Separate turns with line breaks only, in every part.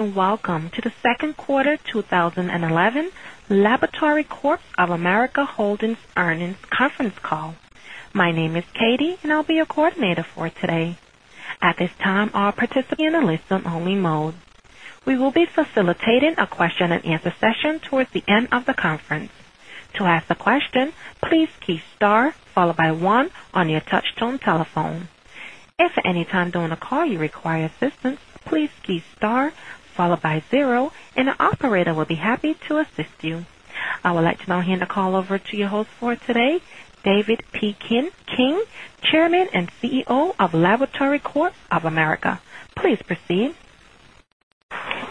Welcome to the Second Quarter 2011 Laboratory Corp of America Holdings Earnings Conference Call. My name is Katie, and I'll be your coordinator for today. At this time, all participants are in a listen-only mode. We will be facilitating a question-and-answer session towards the end of the conference. To ask a question, please press star followed by one on your touch-tone telephone. If at any time during the call you require assistance, please press star followed by zero, and an operator will be happy to assist you. I would like to now hand the call over to your host for today, David P. King, Chairman and CEO of Laboratory Corp of America. Please proceed.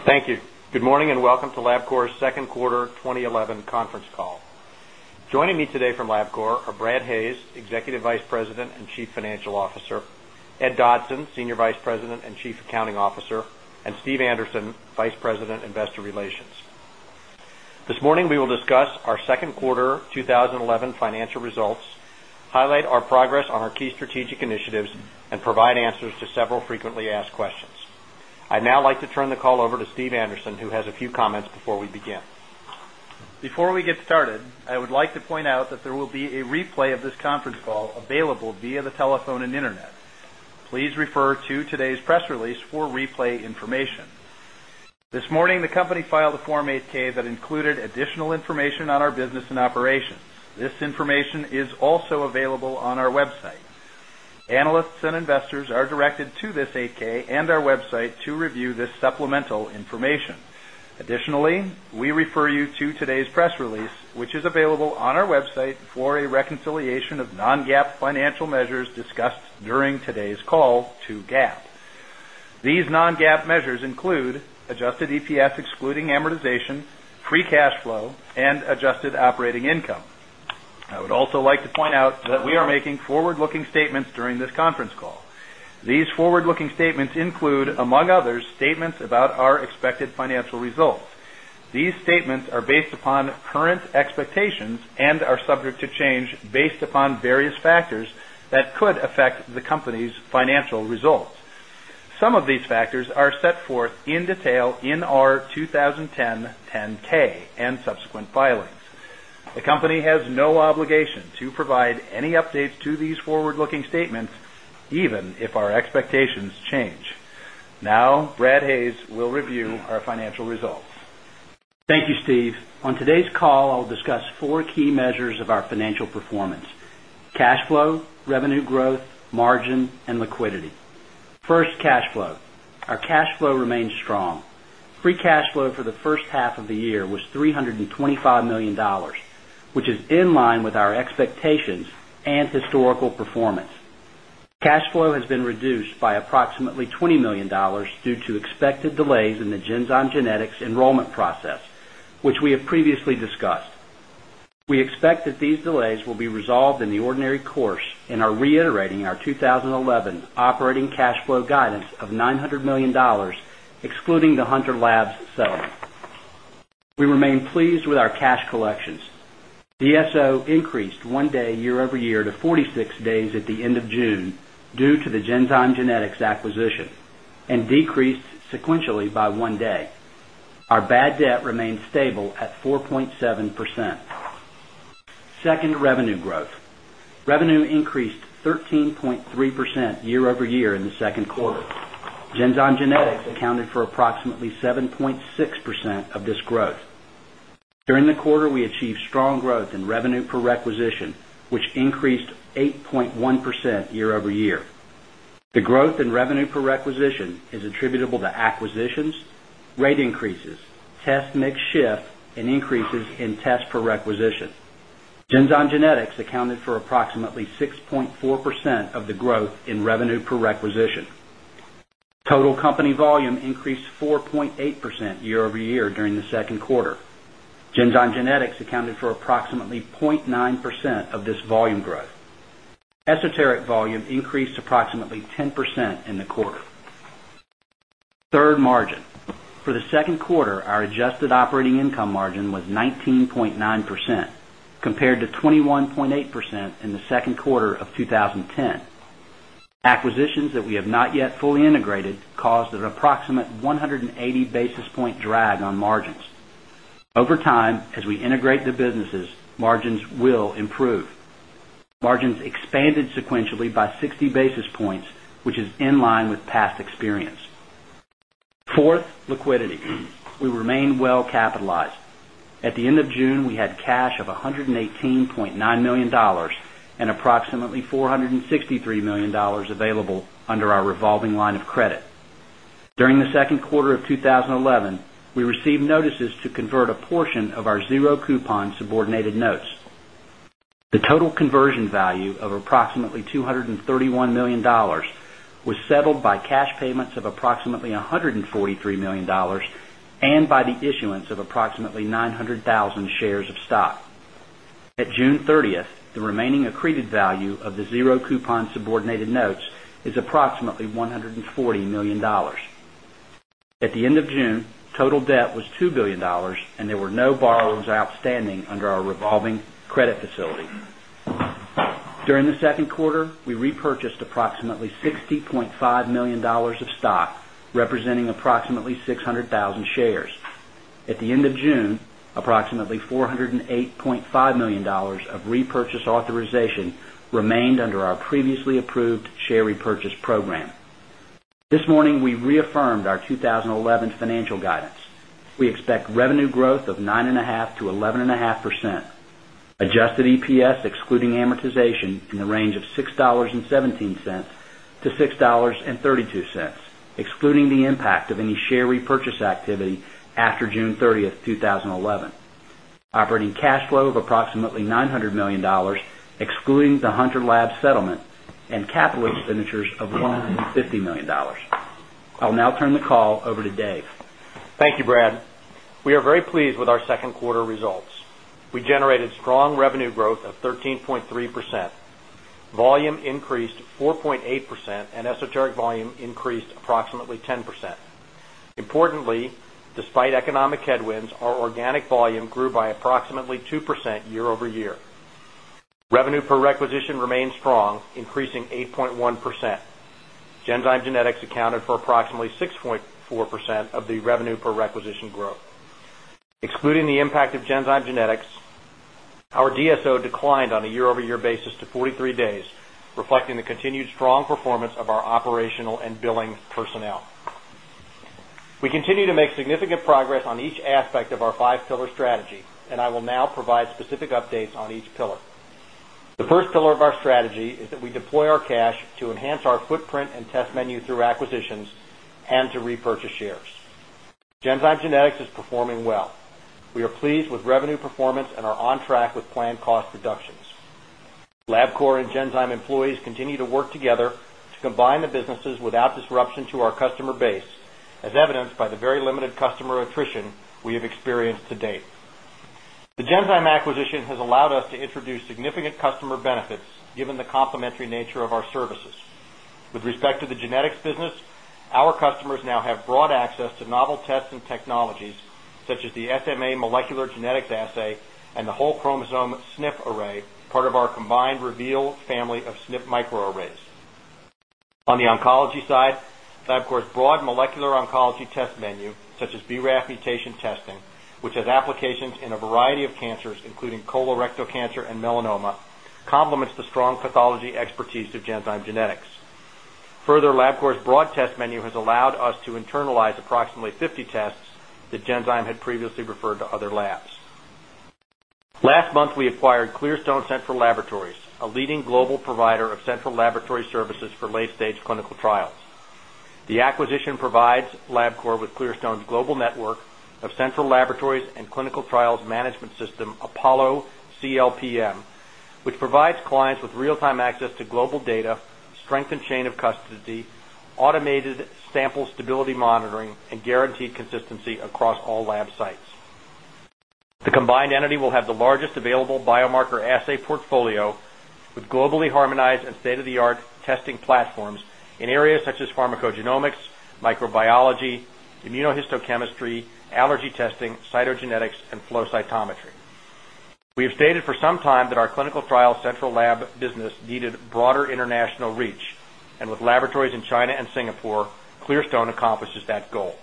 Thank you. Good morning and welcome to LabCorp's Second Quarter 2011 Conference Call. Joining me today from LabCorp are Brad Hayes, Executive Vice President and Chief Financial Officer, Ed Dodson, Senior Vice President and Chief Accounting Officer, and Steve Andersen, Vice President, Investor Relations. This morning, we will discuss our second quarter 2011 financial results, highlight our progress on our key strategic initiatives, and provide answers to several frequently asked questions. I'd now like to turn the call over to Steve Andersen, who has a few comments before we begin.
Before we get started, I would like to point out that there will be a replay of this conference call available via the telephone and internet. Please refer to today's press release for replay information. This morning, the company filed a Form 8-K that included additional information on our business and operations. This information is also available on our website. Analysts and investors are directed to this 8-K and our website to review this supplemental information. Additionally, we refer you to today's press release, which is available on our website for a reconciliation of non-GAAP financial measures discussed during today's call to GAAP. These non-GAAP measures include adjusted EPS excluding amortization, free cash flow, and adjusted operating income. I would also like to point out that we are making forward-looking statements during this conference call. These forward-looking statements include, among others, statements about our expected financial results. These statements are based upon current expectations and are subject to change based upon various factors that could affect the company's financial results. Some of these factors are set forth in detail in our 2010 10-K and subsequent filings. The company has no obligation to provide any updates to these forward-looking statements, even if our expectations change. Now, Brad Hayes will review our financial results.
Thank you, Steve. On today's call, I'll discuss four key measures of our financial performance: cash flow, revenue growth, margin, and liquidity. First, cash flow. Our cash flow remains strong. Free cash flow for the first half of the year was $325 million, which is in line with our expectations and historical performance. Cash flow has been reduced by approximately $20 million due to expected delays in the Genzyme Genetics enrollment process, which we have previously discussed. We expect that these delays will be resolved in the ordinary course and are reiterating our 2011 operating cash flow guidance of $900 million, excluding the Hunter Labs settlement. We remain pleased with our cash collections. DSO increased one day year over year to 46 days at the end of June due to the Genzyme Genetics acquisition and decreased sequentially by one day. Our bad debt remains stable at 4.7%. Second, revenue growth. Revenue increased 13.3% year over year in the second quarter. Genzyme Genetics accounted for approximately 7.6% of this growth. During the quarter, we achieved strong growth in revenue per requisition, which increased 8.1% year over year. The growth in revenue per requisition is attributable to acquisitions, rate increases, test mix shift, and increases in test per requisition. Genzyme Genetics accounted for approximately 6.4% of the growth in revenue per requisition. Total company volume increased 4.8% year over year during the second quarter. Genzyme Genetics accounted for approximately 0.9% of this volume growth. Esoteric volume increased approximately 10% in the quarter. Third, margin. For the second quarter, our adjusted operating income margin was 19.9%, compared to 21.8% in the second quarter of 2010. Acquisitions that we have not yet fully integrated caused an approximate 180 basis point drag on margins. Over time, as we integrate the businesses, margins will improve. Margins expanded sequentially by 60 basis points, which is in line with past experience. Fourth, liquidity. We remain well capitalized. At the end of June, we had cash of $118.9 million and approximately $463 million available under our revolving line of credit. During the second quarter of 2011, we received notices to convert a portion of our zero coupon subordinated notes. The total conversion value of approximately $231 million was settled by cash payments of approximately $143 million and by the issuance of approximately 900,000 shares of stock. At June 30th, the remaining accreted value of the zero coupon subordinated notes is approximately $140 million. At the end of June, total debt was $2 billion, and there were no borrowings outstanding under our revolving credit facility. During the second quarter, we repurchased approximately $60.5 million of stock, representing approximately 600,000 shares. At the end of June, approximately $408.5 million of repurchase authorization remained under our previously approved share repurchase program. This morning, we reaffirmed our 2011 financial guidance. We expect revenue growth of 9.5%-11.5%, adjusted EPS excluding amortization in the range of $6.17-$6.32, excluding the impact of any share repurchase activity after June 30th, 2011. Operating cash flow of approximately $900 million, excluding the Hunter Labs settlement, and capital expenditures of $150 million. I'll now turn the call over to Dave.
Thank you, Brad. We are very pleased with our second quarter results. We generated strong revenue growth of 13.3%. Volume increased 4.8%, and esoteric volume increased approximately 10%. Importantly, despite economic headwinds, our organic volume grew by approximately 2% year over year. Revenue per requisition remained strong, increasing 8.1%. Genzyme Genetics accounted for approximately 6.4% of the revenue per requisition growth. Excluding the impact of Genzyme Genetics, our DSO declined on a year-over-year basis to 43 days, reflecting the continued strong performance of our operational and billing personnel. We continue to make significant progress on each aspect of our five-pillar strategy, and I will now provide specific updates on each pillar. The first pillar of our strategy is that we deploy our cash to enhance our footprint and test menu through acquisitions and to repurchase shares. Genzyme Genetics is performing well. We are pleased with revenue performance and are on track with planned cost reductions. LabCorp and Genzyme employees continue to work together to combine the businesses without disruption to our customer base, as evidenced by the very limited customer attrition we have experienced to date. The Genzyme acquisition has allowed us to introduce significant customer benefits, given the complementary nature of our services. With respect to the genetics business, our customers now have broad access to novel tests and technologies, such as the SMA molecular genetics assay and the whole chromosome SNP array, part of our combined Reveal family of SNP microarrays. On the oncology side, LabCorp's broad molecular oncology test menu, such as BRAF mutation testing, which has applications in a variety of cancers, including colorectal cancer and melanoma, complements the strong pathology expertise of Genzyme Genetics. Further, LabCorp's broad test menu has allowed us to internalize approximately 50 tests that Genzyme had previously referred to other labs. Last month, we acquired Clearstone Central Laboratories, a leading global provider of central laboratory services for late-stage clinical trials. The acquisition provides LabCorp with Clearstone's global network of central laboratories and clinical trials management system, APOLLO CLPM, which provides clients with real-time access to global data, strengthened chain of custody, automated sample stability monitoring, and guaranteed consistency across all lab sites. The combined entity will have the largest available biomarker assay portfolio with globally harmonized and state-of-the-art testing platforms in areas such as pharmacogenomics, microbiology, immunohistochemistry, allergy testing, cytogenetics, and flow cytometry. We have stated for some time that our clinical trial central lab business needed broader international reach, and with laboratories in China and Singapore, Clearstone accomplishes that goal.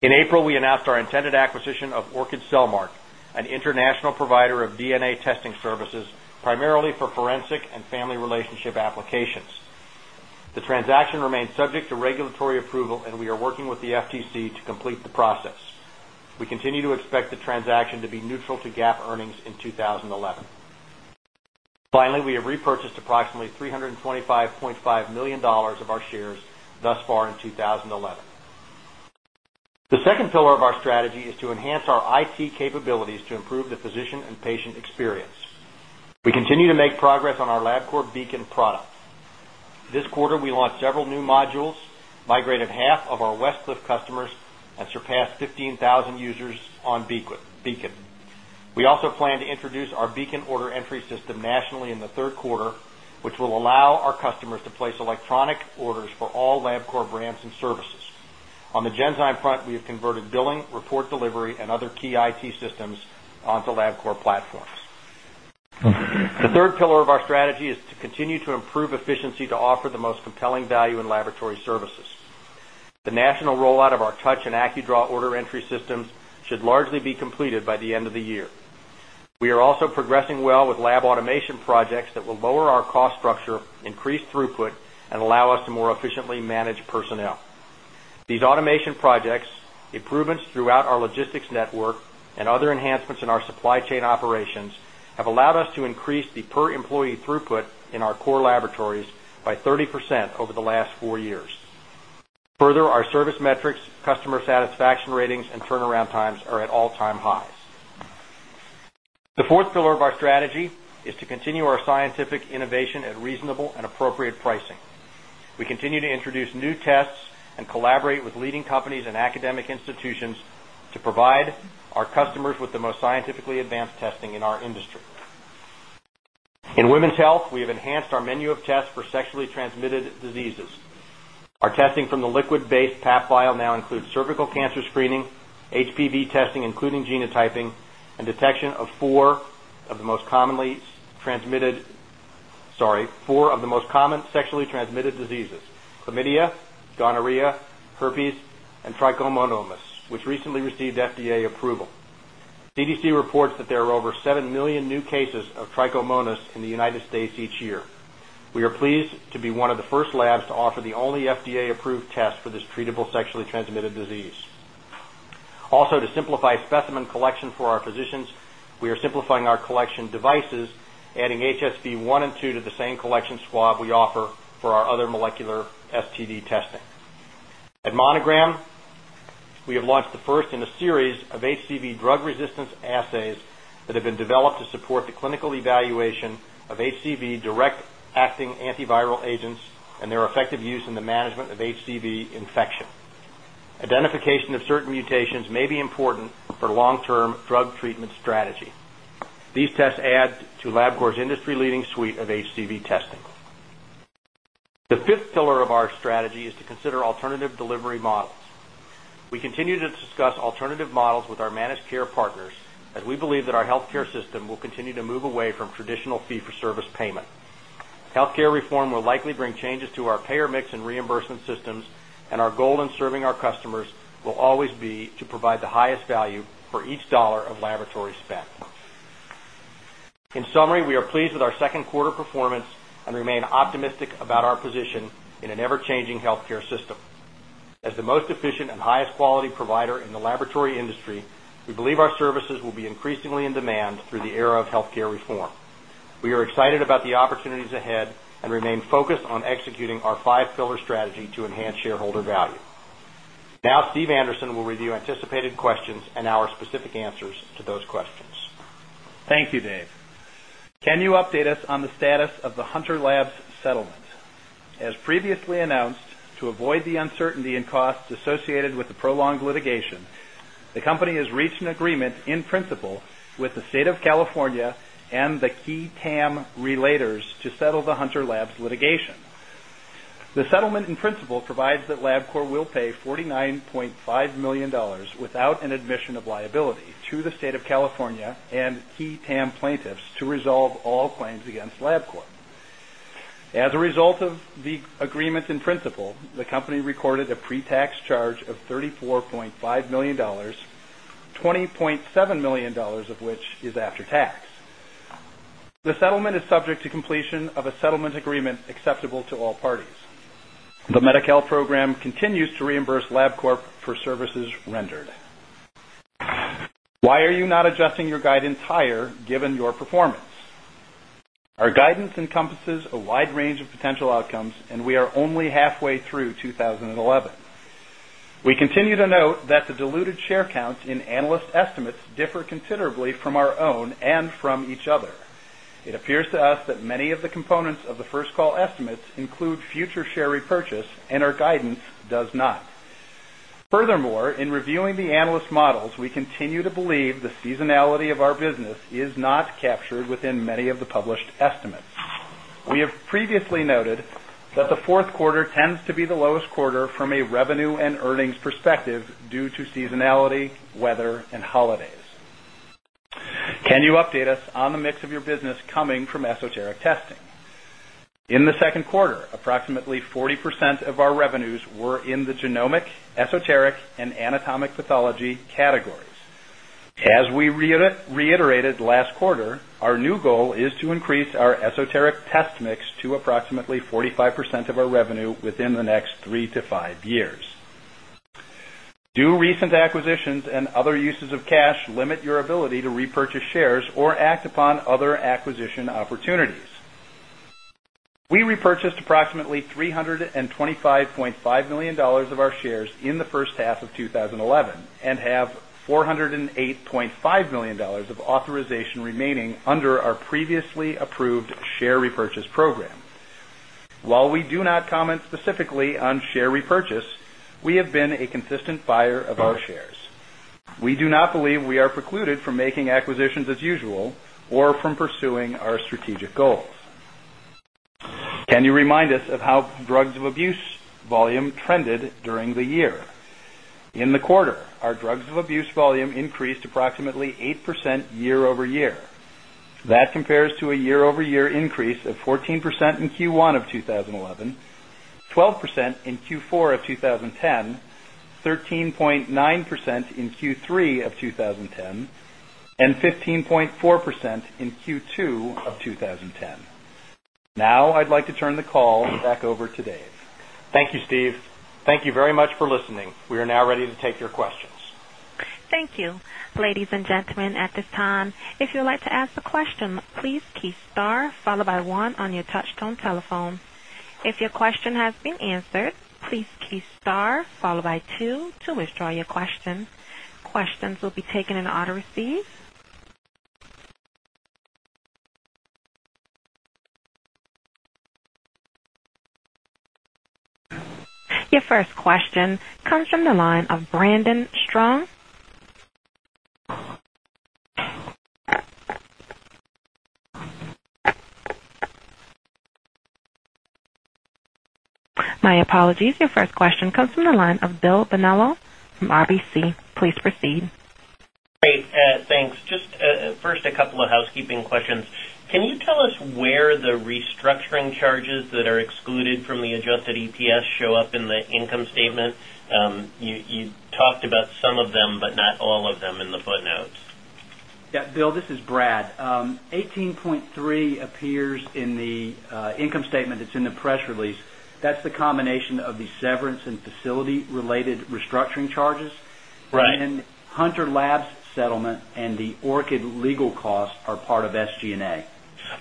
In April, we announced our intended acquisition of Orchid Cellmark, an international provider of DNA testing services, primarily for forensic and family relationship applications. The transaction remains subject to regulatory approval, and we are working with the FTC to complete the process. We continue to expect the transaction to be neutral to GAAP earnings in 2011. Finally, we have repurchased approximately $325.5 million of our shares thus far in 2011. The second pillar of our strategy is to enhance our IT capabilities to improve the physician and patient experience. We continue to make progress on our LabCorp Beacon product. This quarter, we launched several new modules, migrated half of our Westcliff customers, and surpassed 15,000 users on Beacon. We also plan to introduce our Beacon order entry system nationally in the third quarter, which will allow our customers to place electronic orders for all LabCorp brands and services. On the Genzyme front, we have converted billing, report delivery, and other key IT systems onto LabCorp platforms. The third pillar of our strategy is to continue to improve efficiency to offer the most compelling value in laboratory services. The national rollout of our Touch and AccuDraw order entry systems should largely be completed by the end of the year. We are also progressing well with lab automation projects that will lower our cost structure, increase throughput, and allow us to more efficiently manage personnel. These automation projects, improvements throughout our logistics network, and other enhancements in our supply chain operations have allowed us to increase the per-employee throughput in our core laboratories by 30% over the last four years. Further, our service metrics, customer satisfaction ratings, and turnaround times are at all-time highs. The fourth pillar of our strategy is to continue our scientific innovation at reasonable and appropriate pricing. We continue to introduce new tests and collaborate with leading companies and academic institutions to provide our customers with the most scientifically advanced testing in our industry. In women's health, we have enhanced our menu of tests for sexually transmitted diseases. Our testing from the liquid-based Pap vial now includes cervical cancer screening, HPV testing, including genotyping, and detection of four of the most commonly transmitted sexually transmitted diseases: chlamydia, gonorrhea, herpes, and trichomoniasis, which recently received FDA approval. CDC reports that there are over 7 million new cases of trichomonas in the United States each year. We are pleased to be one of the first labs to offer the only FDA-approved test for this treatable sexually transmitted disease. Also, to simplify specimen collection for our physicians, we are simplifying our collection devices, adding HSV-1 and 2 to the same collection swab we offer for our other molecular STD testing. At Monogram, we have launched the first in a series of HCV drug-resistance assays that have been developed to support the clinical evaluation of HCV direct-acting antiviral agents and their effective use in the management of HCV infection. Identification of certain mutations may be important for long-term drug treatment strategy. These tests add to LabCorp's industry-leading suite of HCV testing. The fifth pillar of our strategy is to consider alternative delivery models. We continue to discuss alternative models with our managed care partners, as we believe that our healthcare system will continue to move away from traditional fee-for-service payment. Healthcare reform will likely bring changes to our payer mix and reimbursement systems, and our goal in serving our customers will always be to provide the highest value for each dollar of laboratory spent. In summary, we are pleased with our second quarter performance and remain optimistic about our position in an ever-changing healthcare system. As the most efficient and highest-quality provider in the laboratory industry, we believe our services will be increasingly in demand through the era of healthcare reform. We are excited about the opportunities ahead and remain focused on executing our five-pillar strategy to enhance shareholder value. Now, Steve Andersen will review anticipated questions and our specific answers to those questions.
Thank you, Dave. Can you update us on the status of the Hunter Labs settlement? As previously announced, to avoid the uncertainty in costs associated with the prolonged litigation, the company has reached an agreement in principle with the State of California and the qui tam relators to settle the Hunter Labs litigation. The settlement in principle provides that LabCorp will pay $49.5 million without an admission of liability to the State of California and qui tam plaintiffs to resolve all claims against LabCorp. As a result of the agreement in principle, the company recorded a pre-tax charge of $34.5 million, $20.7 million of which is after-tax. The settlement is subject to completion of a settlement agreement acceptable to all parties. The Medi-Cal program continues to reimburse LabCorp for services rendered. Why are you not adjusting your guidance higher given your performance? Our guidance encompasses a wide range of potential outcomes, and we are only halfway through 2011. We continue to note that the diluted share counts in analyst estimates differ considerably from our own and from each other. It appears to us that many of the components of the first call estimates include future share repurchase, and our guidance does not. Furthermore, in reviewing the analyst models, we continue to believe the seasonality of our business is not captured within many of the published estimates. We have previously noted that the fourth quarter tends to be the lowest quarter from a revenue and earnings perspective due to seasonality, weather, and holidays. Can you update us on the mix of your business coming from esoteric testing? In the second quarter, approximately 40% of our revenues were in the genomic, esoteric, and anatomic pathology categories. As we reiterated last quarter, our new goal is to increase our esoteric test mix to approximately 45% of our revenue within the next three to five years. Do recent acquisitions and other uses of cash limit your ability to repurchase shares or act upon other acquisition opportunities? We repurchased approximately $325.5 million of our shares in the first half of 2011 and have $408.5 million of authorization remaining under our previously approved share repurchase program. While we do not comment specifically on share repurchase, we have been a consistent buyer of our shares. We do not believe we are precluded from making acquisitions as usual or from pursuing our strategic goals. Can you remind us of how drugs of abuse volume trended during the year? In the quarter, our drugs of abuse volume increased approximately 8% year over year. That compares to a year-over-year increase of 14% in Q1 of 2011, 12% in 4Q of 2010, 13.9% in Q3 of 2010, and 15.4% in Q2 of 2010. Now, I'd like to turn the call back over to Dave.
Thank you, Steve. Thank you very much for listening. We are now ready to take your questions.
Thank you, ladies and gentlemen. At this time, if you'd like to ask a question, please press star followed by one on your touch-tone telephone. If your question has been answered, please press star followed by two to withdraw your question. Questions will be taken in auto-receipt. Your first question comes from the line of Brandon Strong. My apologies. Your first question comes from the line of Bill Bonello from RBC. Please proceed.
Hey, thanks. Just first, a couple of housekeeping questions. Can you tell us where the restructuring charges that are excluded from the adjusted EPS show up in the income statement? You talked about some of them, but not all of them in the footnotes.
Yeah, Bill, this is Brad. 18.3% appears in the income statement that's in the press release. That's the combination of the severance and facility-related restructuring charges. Hunter Labs settlement and the Orchid legal costs are part of SG&A.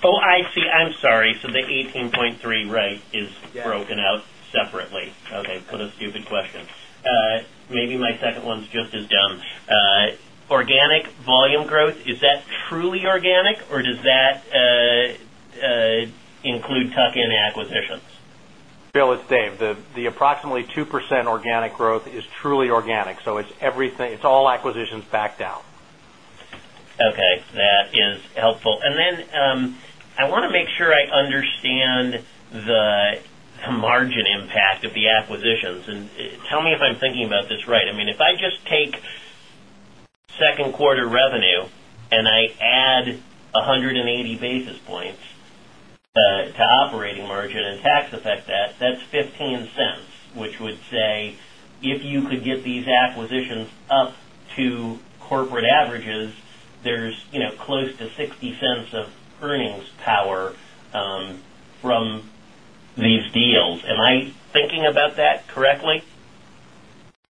Oh, I see. I'm sorry. So the 18.3% rate is broken out separately. Okay, what a stupid question. Maybe my second one's just as dumb. Organic volume growth, is that truly organic, or does that include tuck-in acquisitions?
Bill, it's Dave. The approximately 2% organic growth is truly organic. So it's all acquisitions backed down.
Okay, that is helpful. Then I want to make sure I understand the margin impact of the acquisitions. Tell me if I'm thinking about this right. I mean, if I just take second quarter revenue and I add 180 basis points to operating margin and tax-affect that, that's $0.15, which would say if you could get these acquisitions up to corporate averages, there's close to $0.60 of earnings power from these deals. Am I thinking about that correctly?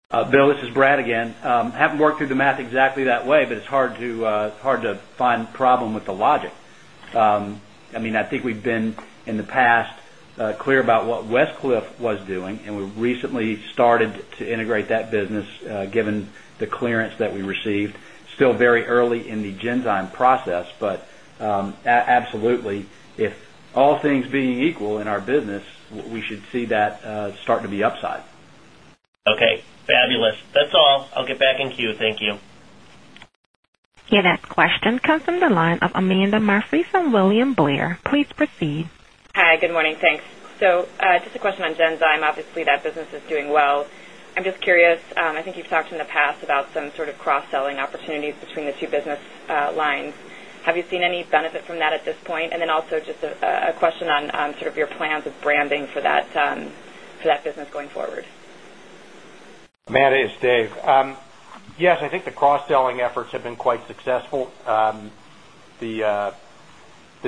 Bill, this is Brad again. Haven't worked through the math exactly that way, but it's hard to find a problem with the logic. I mean, I think we've been in the past clear about what Westcliff was doing, and we recently started to integrate that business given the clearance that we received. Still very early in the Genzyme process, but absolutely, if all things being equal in our business, we should see that start to be upside.
Okay, fabulous. That's all. I'll get back in queue. Thank you.
Yeah, that question comes from the line of Amanda Murphy from William Blair. Please proceed.
Hi, good morning. Thanks. Just a question on Genzyme. Obviously, that business is doing well. I'm just curious. I think you've talked in the past about some sort of cross-selling opportunities between the two business lines. Have you seen any benefit from that at this point? Also, just a question on your plans of branding for that business going forward.
Amanda, it's Dave. Yes, I think the cross-selling efforts have been quite successful. The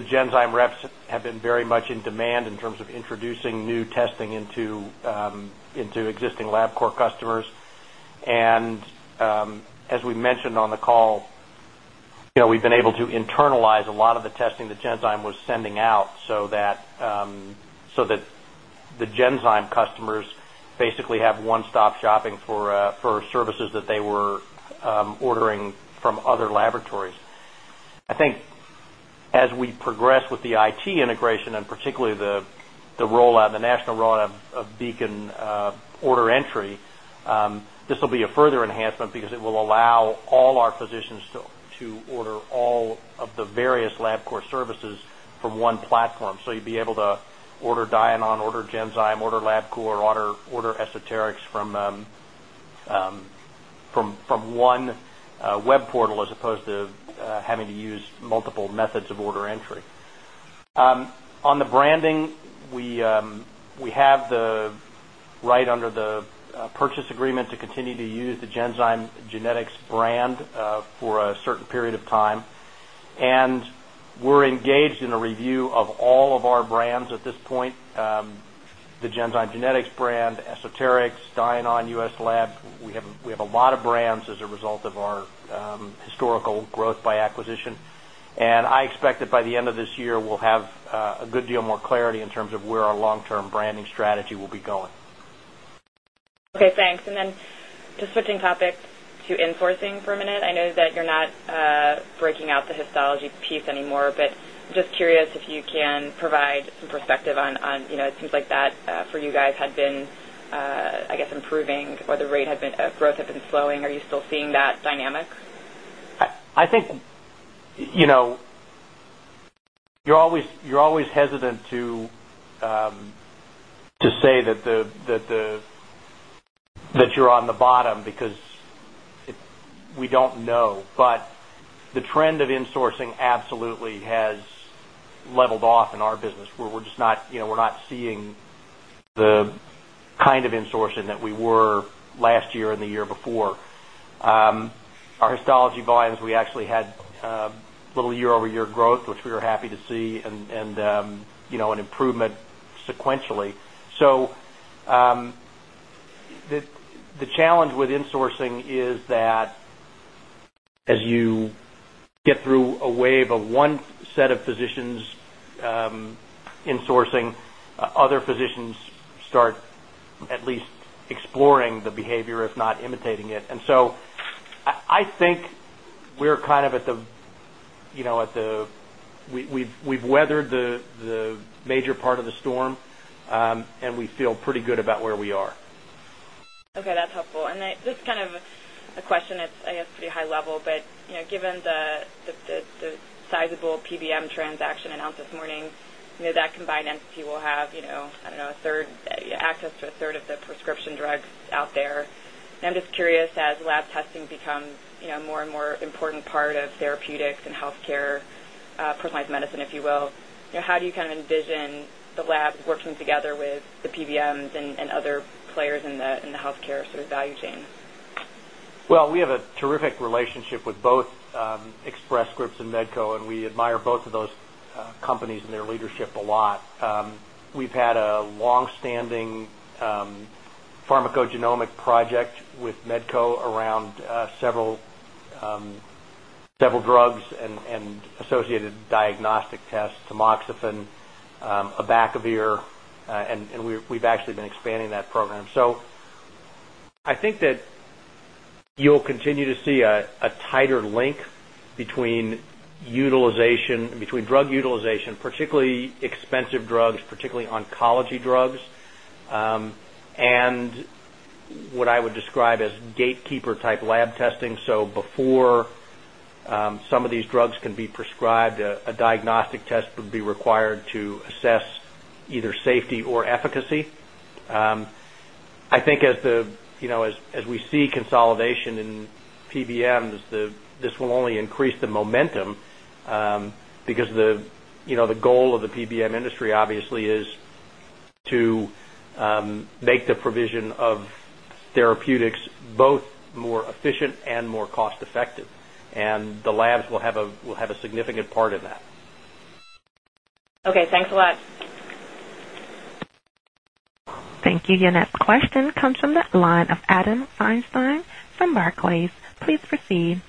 Genzyme reps have been very much in demand in terms of introducing new testing into existing LabCorp customers. As we mentioned on the call, we've been able to internalize a lot of the testing that Genzyme was sending out so that the Genzyme customers basically have one-stop shopping for services that they were ordering from other laboratories. I think as we progress with the IT integration and particularly the national rollout of Beacon order entry, this will be a further enhancement because it will allow all our physicians to order all of the various LabCorp services from one platform. You'd be able to order DIANON, order Genzyme, order LabCorp, order Esoterix from one web portal as opposed to having to use multiple methods of order entry. On the branding, we have the right under the purchase agreement to continue to use the Genzyme Genetics brand for a certain period of time. We are engaged in a review of all of our brands at this point: the Genzyme Genetics Esoterix, DIANON, US LABS. we have a lot of brands as a result of our historical growth by acquisition. I expect that by the end of this year, we will have a good deal more clarity in terms of where our long-term branding strategy will be going.
Okay, thanks. Just switching topics to in-sourcing for a minute. I know that you're not breaking out the histology piece anymore, but just curious if you can provide some perspective on it. It seems like that for you guys had been, I guess, improving or the rate of growth had been slowing. Are you still seeing that dynamic?
I think you're always hesitant to say that you're on the bottom because we don't know. The trend of in-sourcing absolutely has leveled off in our business. We're not seeing the kind of in-sourcing that we were last year and the year before. Our histology volumes, we actually had little year-over-year growth, which we were happy to see, and an improvement sequentially. The challenge with in-sourcing is that as you get through a wave of one set of physicians in-sourcing, other physicians start at least exploring the behavior, if not imitating it. I think we're kind of at the we've weathered the major part of the storm, and we feel pretty good about where we are.
Okay, that's helpful. This is kind of a question that's, I guess, pretty high level, but given the sizable PBM transaction announced this morning, that combined entity will have, I don't know, access to 1/3 of the prescription drugs out there. I'm just curious, as lab testing becomes a more and more important part of therapeutics and healthcare, personalized medicine, if you will, how do you kind of envision the labs working together with the PBMs and other players in the healthcare sort of value chain?
We have a terrific relationship with both Express Scripts and Medco, and we admire both of those companies and their leadership a lot. We've had a long-standing pharmacogenomic project with Medco around several drugs and associated diagnostic tests: tamoxifen, abacavir, and we've actually been expanding that program. I think that you'll continue to see a tighter link between drug utilization, particularly expensive drugs, particularly oncology drugs, and what I would describe as gatekeeper-type lab testing. Before some of these drugs can be prescribed, a diagnostic test would be required to assess either safety or efficacy. I think as we see consolidation in PBMs, this will only increase the momentum because the goal of the PBM industry, obviously, is to make the provision of therapeutics both more efficient and more cost-effective. The labs will have a significant part in that.
Okay, thanks a lot.
Thank you. Your next question comes from the line of Adam Feinstein from Barclays. Please proceed.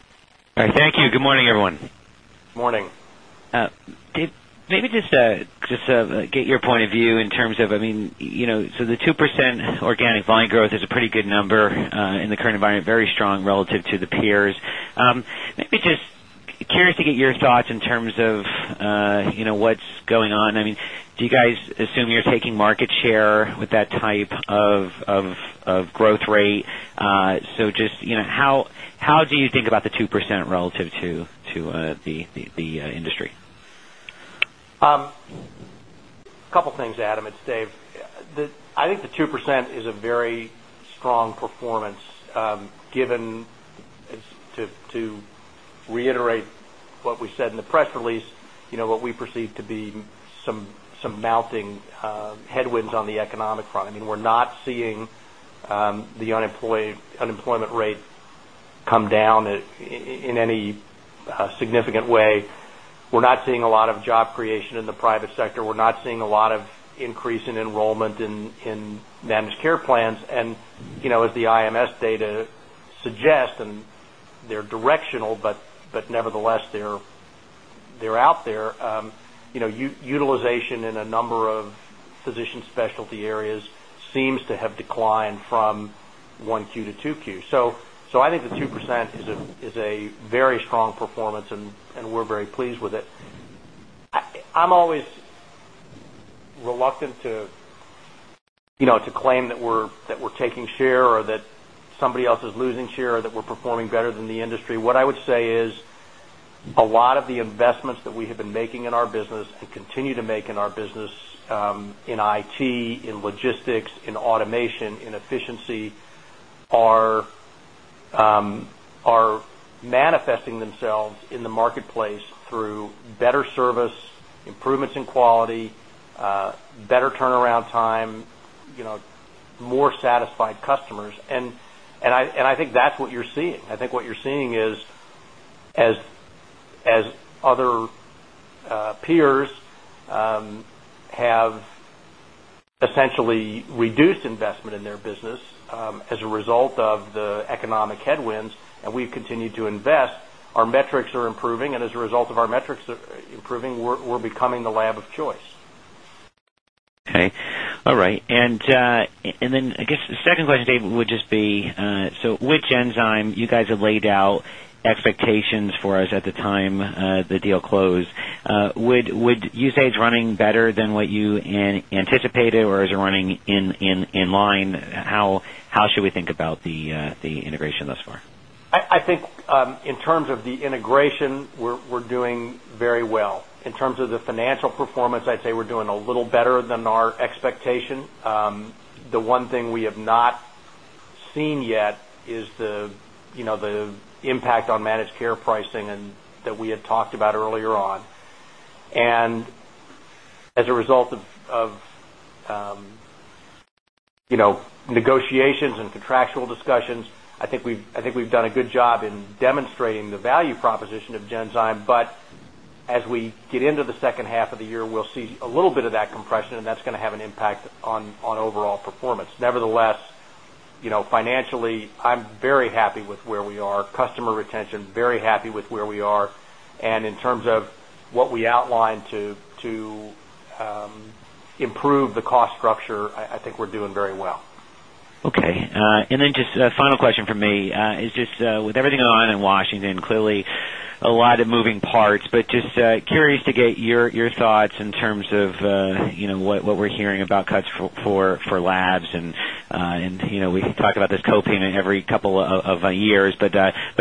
All right, thank you. Good morning, everyone.
Good morning.
Dave, maybe just to get your point of view in terms of, I mean, the 2% organic volume growth is a pretty good number in the current environment, very strong relative to the peers. Maybe just curious to get your thoughts in terms of what's going on. I mean, do you guys assume you're taking market share with that type of growth rate? Just how do you think about the 2% relative to the industry?
A couple of things, Adam. It's Dave. I think the 2% is a very strong performance given, to reiterate what we said in the press release, what we perceive to be some mounting headwinds on the economic front. I mean, we're not seeing the unemployment rate come down in any significant way. We're not seeing a lot of job creation in the private sector. We're not seeing a lot of increase in enrollment in managed care plans. As the IMS data suggest, and they're directional, but nevertheless, they're out there, utilization in a number of physician specialty areas seems to have declined from 1Q to 2Q. I think the 2% is a very strong performance, and we're very pleased with it. I'm always reluctant to claim that we're taking share or that somebody else is losing share or that we're performing better than the industry. What I would say is a lot of the investments that we have been making in our business and continue to make in our business in IT, in logistics, in automation, in efficiency are manifesting themselves in the marketplace through better service, improvements in quality, better turnaround time, more satisfied customers. I think that's what you're seeing. I think what you're seeing is, as other peers have essentially reduced investment in their business as a result of the economic headwinds, and we've continued to invest, our metrics are improving. As a result of our metrics improving, we're becoming the lab of choice.
Okay. All right. I guess the second question, Dave, would just be, with Genzyme, you guys have laid out expectations for us at the time the deal closed. Would you say it's running better than what you anticipated, or is it running in line? How should we think about the integration thus far?
I think in terms of the integration, we're doing very well. In terms of the financial performance, I'd say we're doing a little better than our expectation. The one thing we have not seen yet is the impact on managed care pricing that we had talked about earlier on. As a result of negotiations and contractual discussions, I think we've done a good job in demonstrating the value proposition of Genzyme. As we get into the second half of the year, we'll see a little bit of that compression, and that's going to have an impact on overall performance. Nevertheless, financially, I'm very happy with where we are. Customer retention, very happy with where we are. In terms of what we outlined to improve the cost structure, I think we're doing very well.
Okay. And then just a final question for me. With everything going on in Washington, clearly a lot of moving parts, but just curious to get your thoughts in terms of what we're hearing about cuts for labs. We talk about this copayment every couple of years, but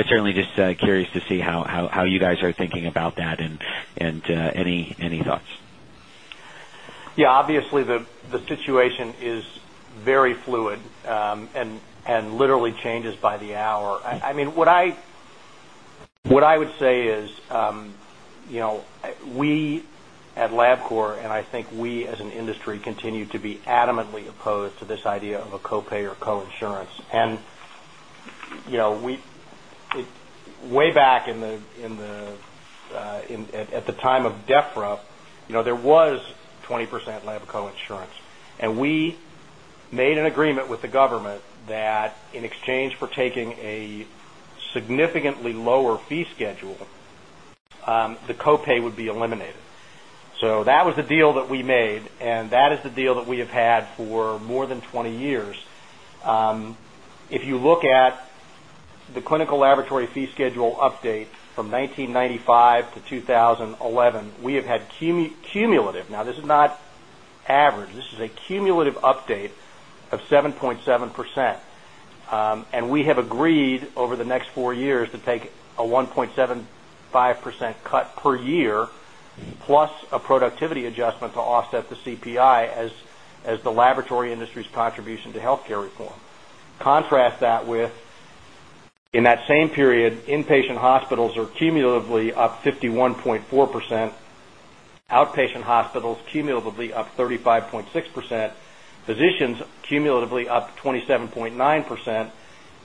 certainly just curious to see how you guys are thinking about that and any thoughts.
Yeah, obviously, the situation is very fluid and literally changes by the hour. I mean, what I would say is we at LabCorp, and I think we as an industry continue to be adamantly opposed to this idea of a copay or co-insurance. Way back at the time of DEFRA, there was 20% lab co-insurance. We made an agreement with the government that in exchange for taking a significantly lower fee schedule, the copay would be eliminated. That was the deal that we made, and that is the deal that we have had for more than 20 years. If you look at the clinical laboratory fee schedule update from 1995 to 2011, we have had cumulative—now, this is not average. This is a cumulative update of 7.7%. We have agreed over the next four years to take a 1.75% cut per year plus a productivity adjustment to offset the CPI as the laboratory industry's contribution to healthcare reform. Contrast that with, in that same period, inpatient hospitals are cumulatively up 51.4%, outpatient hospitals cumulatively up 35.6%, physicians cumulatively up 27.9%,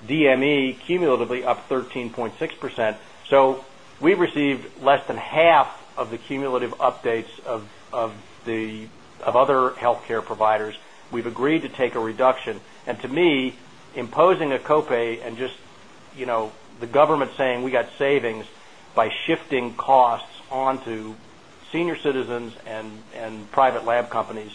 DME cumulatively up 13.6%. We have received less than half of the cumulative updates of other healthcare providers. We have agreed to take a reduction. To me, imposing a copay and just the government saying, "We got savings," by shifting costs onto senior citizens and private lab companies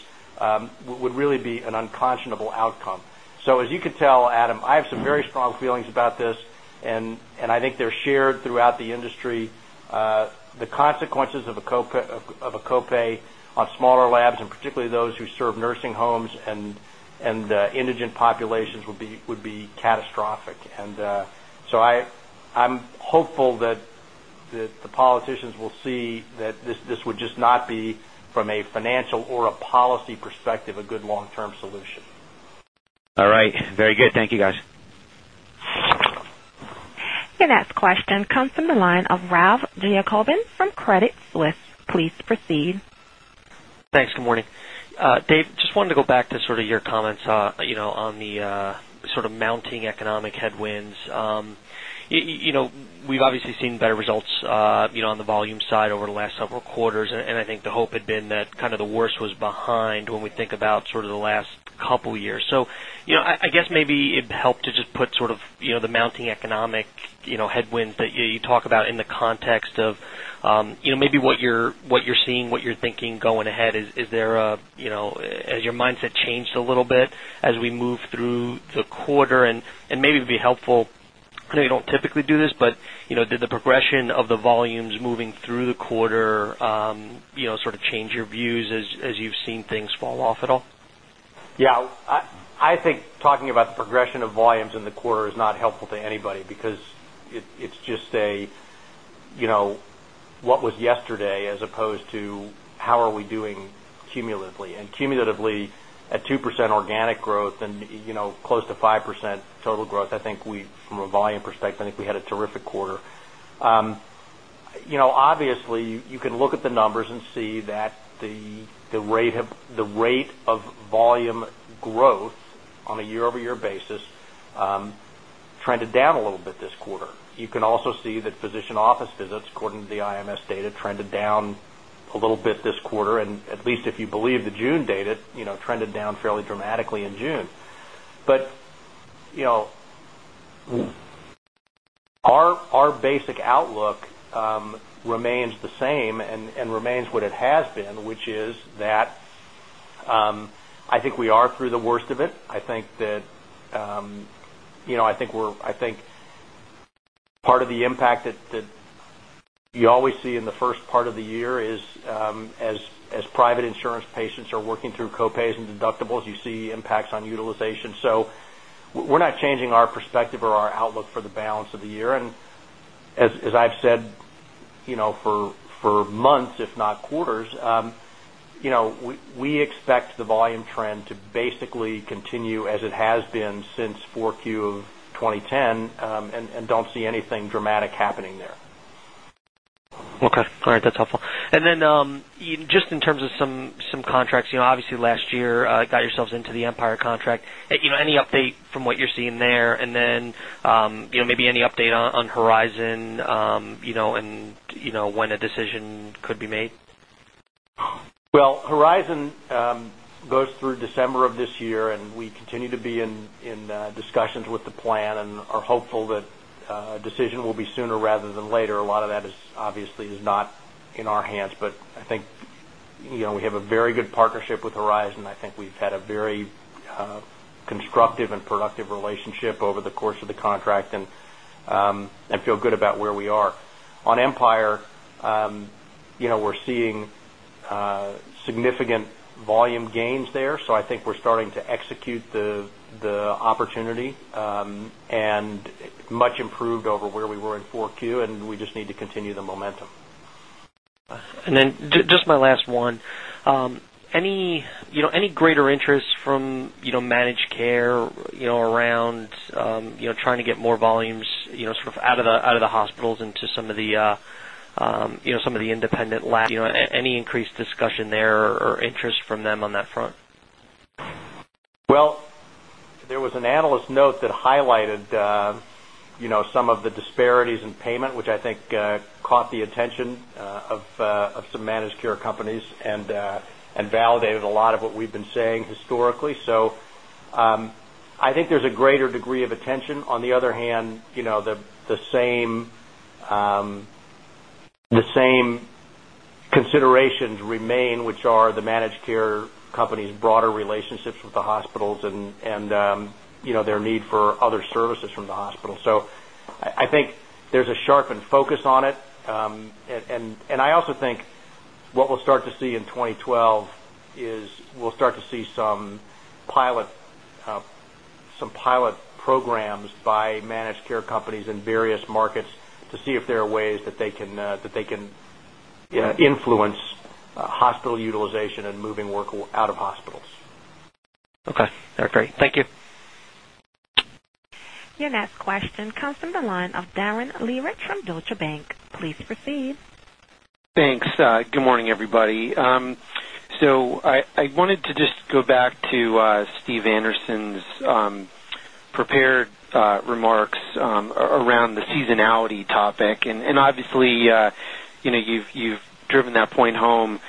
would really be an unconscionable outcome. As you can tell, Adam, I have some very strong feelings about this, and I think they are shared throughout the industry. The consequences of a copay on smaller labs, and particularly those who serve nursing homes and indigent populations, would be catastrophic. I am hopeful that the politicians will see that this would just not be, from a financial or a policy perspective, a good long-term solution.
All right. Very good. Thank you, guys.
Your next question comes from the line of Ralph Giacobbe from Credit Suisse. Please proceed.
Thanks. Good morning. Dave, just wanted to go back to sort of your comments on the sort of mounting economic headwinds. We've obviously seen better results on the volume side over the last several quarters, and I think the hope had been that kind of the worst was behind when we think about sort of the last couple of years. I guess maybe it'd help to just put sort of the mounting economic headwinds that you talk about in the context of maybe what you're seeing, what you're thinking going ahead. Is there a—has your mindset changed a little bit as we move through the quarter? Maybe it'd be helpful—I know you don't typically do this, but did the progression of the volumes moving through the quarter sort of change your views as you've seen things fall off at all?
Yeah. I think talking about the progression of volumes in the quarter is not helpful to anybody because it is just a—what was yesterday as opposed to how are we doing cumulatively? And cumulatively, at 2% organic growth and close to 5% total growth, I think from a volume perspective, I think we had a terrific quarter. Obviously, you can look at the numbers and see that the rate of volume growth on a year-over-year basis trended down a little bit this quarter. You can also see that physician office visits, according to the IMS data, trended down a little bit this quarter. At least if you believe the June data, it trended down fairly dramatically in June. Our basic outlook remains the same and remains what it has been, which is that I think we are through the worst of it. I think that part of the impact that you always see in the first part of the year is, as private insurance patients are working through copays and deductibles, you see impacts on utilization. We are not changing our perspective or our outlook for the balance of the year. As I have said for months, if not quarters, we expect the volume trend to basically continue as it has been since 4Q of 2010 and do not see anything dramatic happening there.
Okay. All right. That's helpful. And then just in terms of some contracts, obviously last year got yourselves into the Empire contract. Any update from what you're seeing there? And then maybe any update on Horizon and when a decision could be made?
Horizon goes through December of this year, and we continue to be in discussions with the plan and are hopeful that a decision will be sooner rather than later. A lot of that obviously is not in our hands, but I think we have a very good partnership with Horizon. I think we've had a very constructive and productive relationship over the course of the contract and feel good about where we are. On Empire, we're seeing significant volume gains there. I think we're starting to execute the opportunity and much improved over where we were in 4Q, and we just need to continue the momentum.
Just my last one. Any greater interest from managed care around trying to get more volumes sort of out of the hospitals into some of the independent labs? Any increased discussion there or interest from them on that front?
There was an analyst note that highlighted some of the disparities in payment, which I think caught the attention of some managed care companies and validated a lot of what we've been saying historically. I think there's a greater degree of attention. On the other hand, the same considerations remain, which are the managed care companies' broader relationships with the hospitals and their need for other services from the hospitals. I think there's a sharpened focus on it. I also think what we'll start to see in 2012 is we'll start to see some pilot programs by managed care companies in various markets to see if there are ways that they can influence hospital utilization and moving work out of hospitals.
Okay. All right. Great. Thank you.
Your next question comes from the line of Darren Lehrich from Deutsche Bank. Please proceed.
Thanks. Good morning, everybody. I wanted to just go back to Steve Andersen's prepared remarks around the seasonality topic. Obviously, you've driven that point home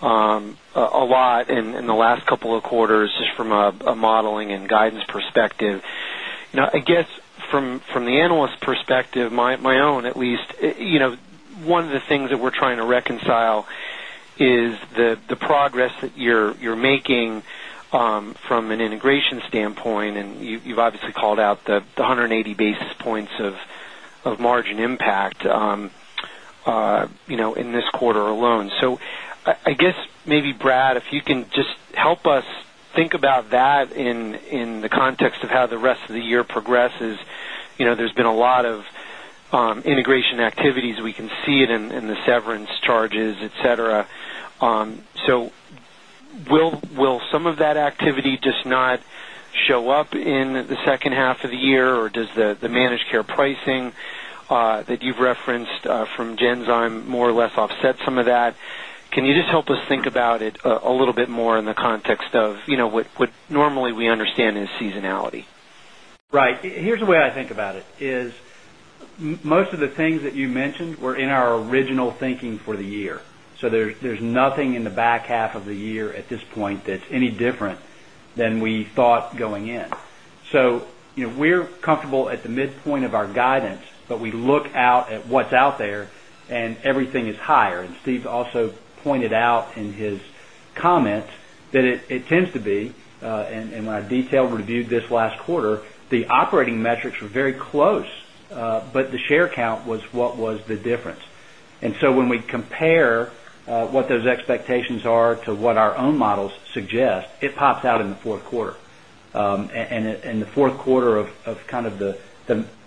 a lot in the last couple of quarters just from a modeling and guidance perspective. I guess from the analyst perspective, my own at least, one of the things that we're trying to reconcile is the progress that you're making from an integration standpoint. You've obviously called out the 180 basis points of margin impact in this quarter alone. I guess maybe, Brad, if you can just help us think about that in the context of how the rest of the year progresses. There's been a lot of integration activities. We can see it in the severance charges, etc. Will some of that activity just not show up in the second half of the year, or does the managed care pricing that you've referenced from Genzyme more or less offset some of that? Can you just help us think about it a little bit more in the context of what normally we understand as seasonality?
Right. Here's the way I think about it. Most of the things that you mentioned were in our original thinking for the year. So there's nothing in the back half of the year at this point that's any different than we thought going in. So we're comfortable at the midpoint of our guidance, but we look out at what's out there, and everything is higher. Steve also pointed out in his comments that it tends to be, and when I detailed reviewed this last quarter, the operating metrics were very close, but the share count was what was the difference. And so when we compare what those expectations are to what our own models suggest, it pops out in the fourth quarter. The fourth quarter of kind of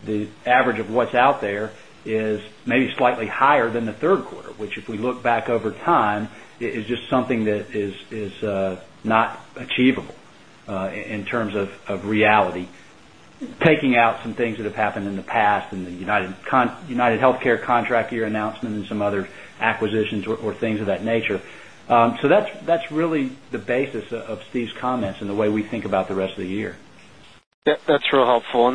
the average of what's out there is maybe slightly higher than the third quarter, which if we look back over time, is just something that is not achievable in terms of reality. Taking out some things that have happened in the past and the UnitedHealthcare contract year announcement and some other acquisitions or things of that nature. That is really the basis of Steve's comments and the way we think about the rest of the year.
That's real helpful.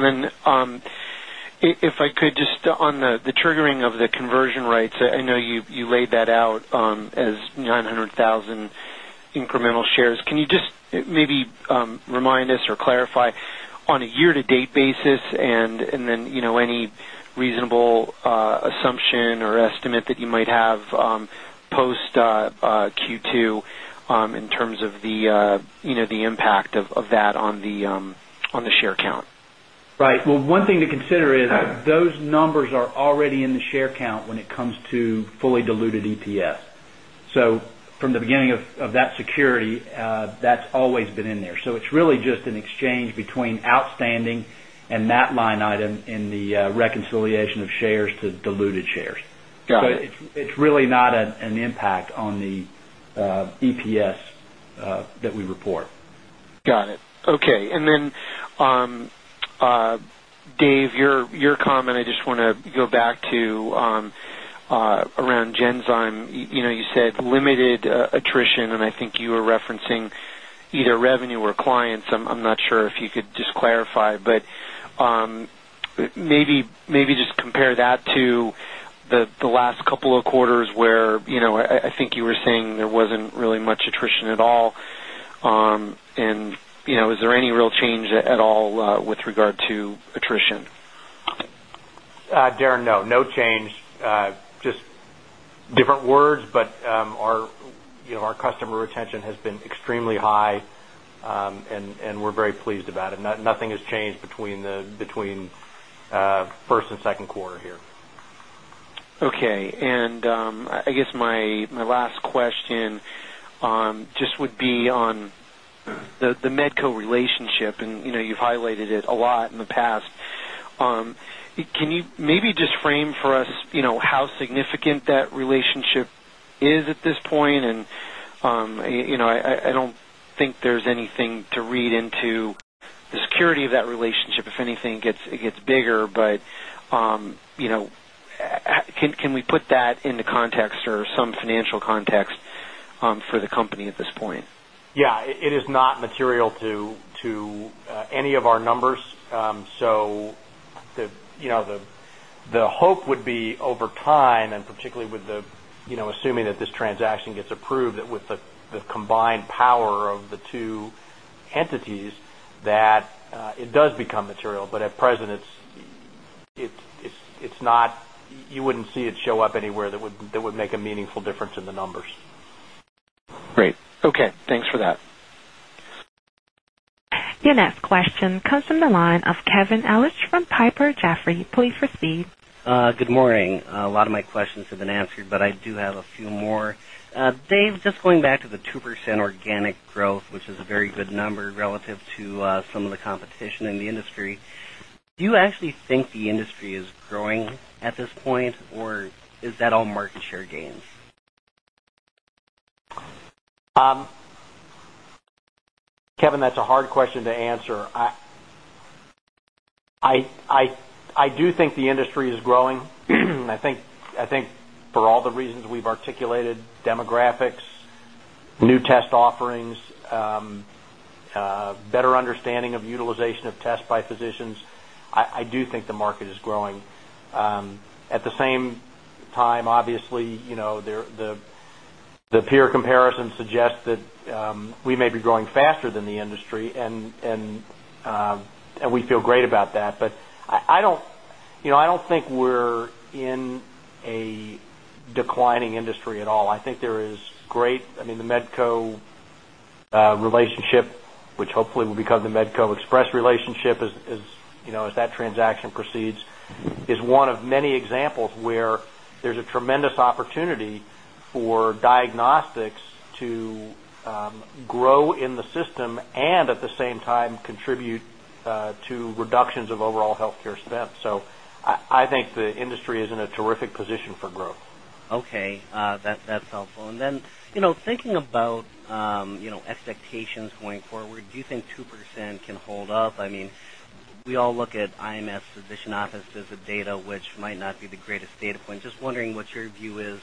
If I could just on the triggering of the conversion rates, I know you laid that out as 900,000 incremental shares. Can you just maybe remind us or clarify on a year-to-date basis and then any reasonable assumption or estimate that you might have post Q2 in terms of the impact of that on the share count?
Right. One thing to consider is those numbers are already in the share count when it comes to fully diluted EPS. From the beginning of that security, that's always been in there. It is really just an exchange between outstanding and that line item in the reconciliation of shares to diluted shares. It is really not an impact on the EPS that we report.
Got it. Okay. Dave, your comment, I just want to go back to around Genzyme. You said limited attrition, and I think you were referencing either revenue or clients. I'm not sure if you could just clarify, but maybe just compare that to the last couple of quarters where I think you were saying there was not really much attrition at all. Is there any real change at all with regard to attrition?
Daren, no. No change. Just different words, but our customer retention has been extremely high, and we're very pleased about it. Nothing has changed between first and second quarter here.
Okay. I guess my last question just would be on the Medco relationship, and you've highlighted it a lot in the past. Can you maybe just frame for us how significant that relationship is at this point? I don't think there's anything to read into the security of that relationship. If anything, it gets bigger. Can we put that into context or some financial context for the company at this point?
Yeah. It is not material to any of our numbers. The hope would be over time, and particularly with assuming that this transaction gets approved, that with the combined power of the two entities, that it does become material. At present, you would not see it show up anywhere that would make a meaningful difference in the numbers.
Great. Okay. Thanks for that.
Your next question comes from the line of Kevin Ellich from Piper Jaffray. You please proceed.
Good morning. A lot of my questions have been answered, but I do have a few more. Dave, just going back to the 2% organic growth, which is a very good number relative to some of the competition in the industry, do you actually think the industry is growing at this point, or is that all market share gains?
Kevin, that's a hard question to answer. I do think the industry is growing. I think for all the reasons we've articulated—demographics, new test offerings, better understanding of utilization of tests by physicians—I do think the market is growing. At the same time, obviously, the peer comparisons suggest that we may be growing faster than the industry, and we feel great about that. I don't think we're in a declining industry at all. I think there is great—I mean, the Medco relationship, which hopefully will become the Medco Express relationship as that transaction proceeds, is one of many examples where there's a tremendous opportunity for diagnostics to grow in the system and, at the same time, contribute to reductions of overall healthcare spend. I think the industry is in a terrific position for growth.
Okay. That's helpful. Then thinking about expectations going forward, do you think 2% can hold up? I mean, we all look at IMS physician office visit data, which might not be the greatest data point. Just wondering what your view is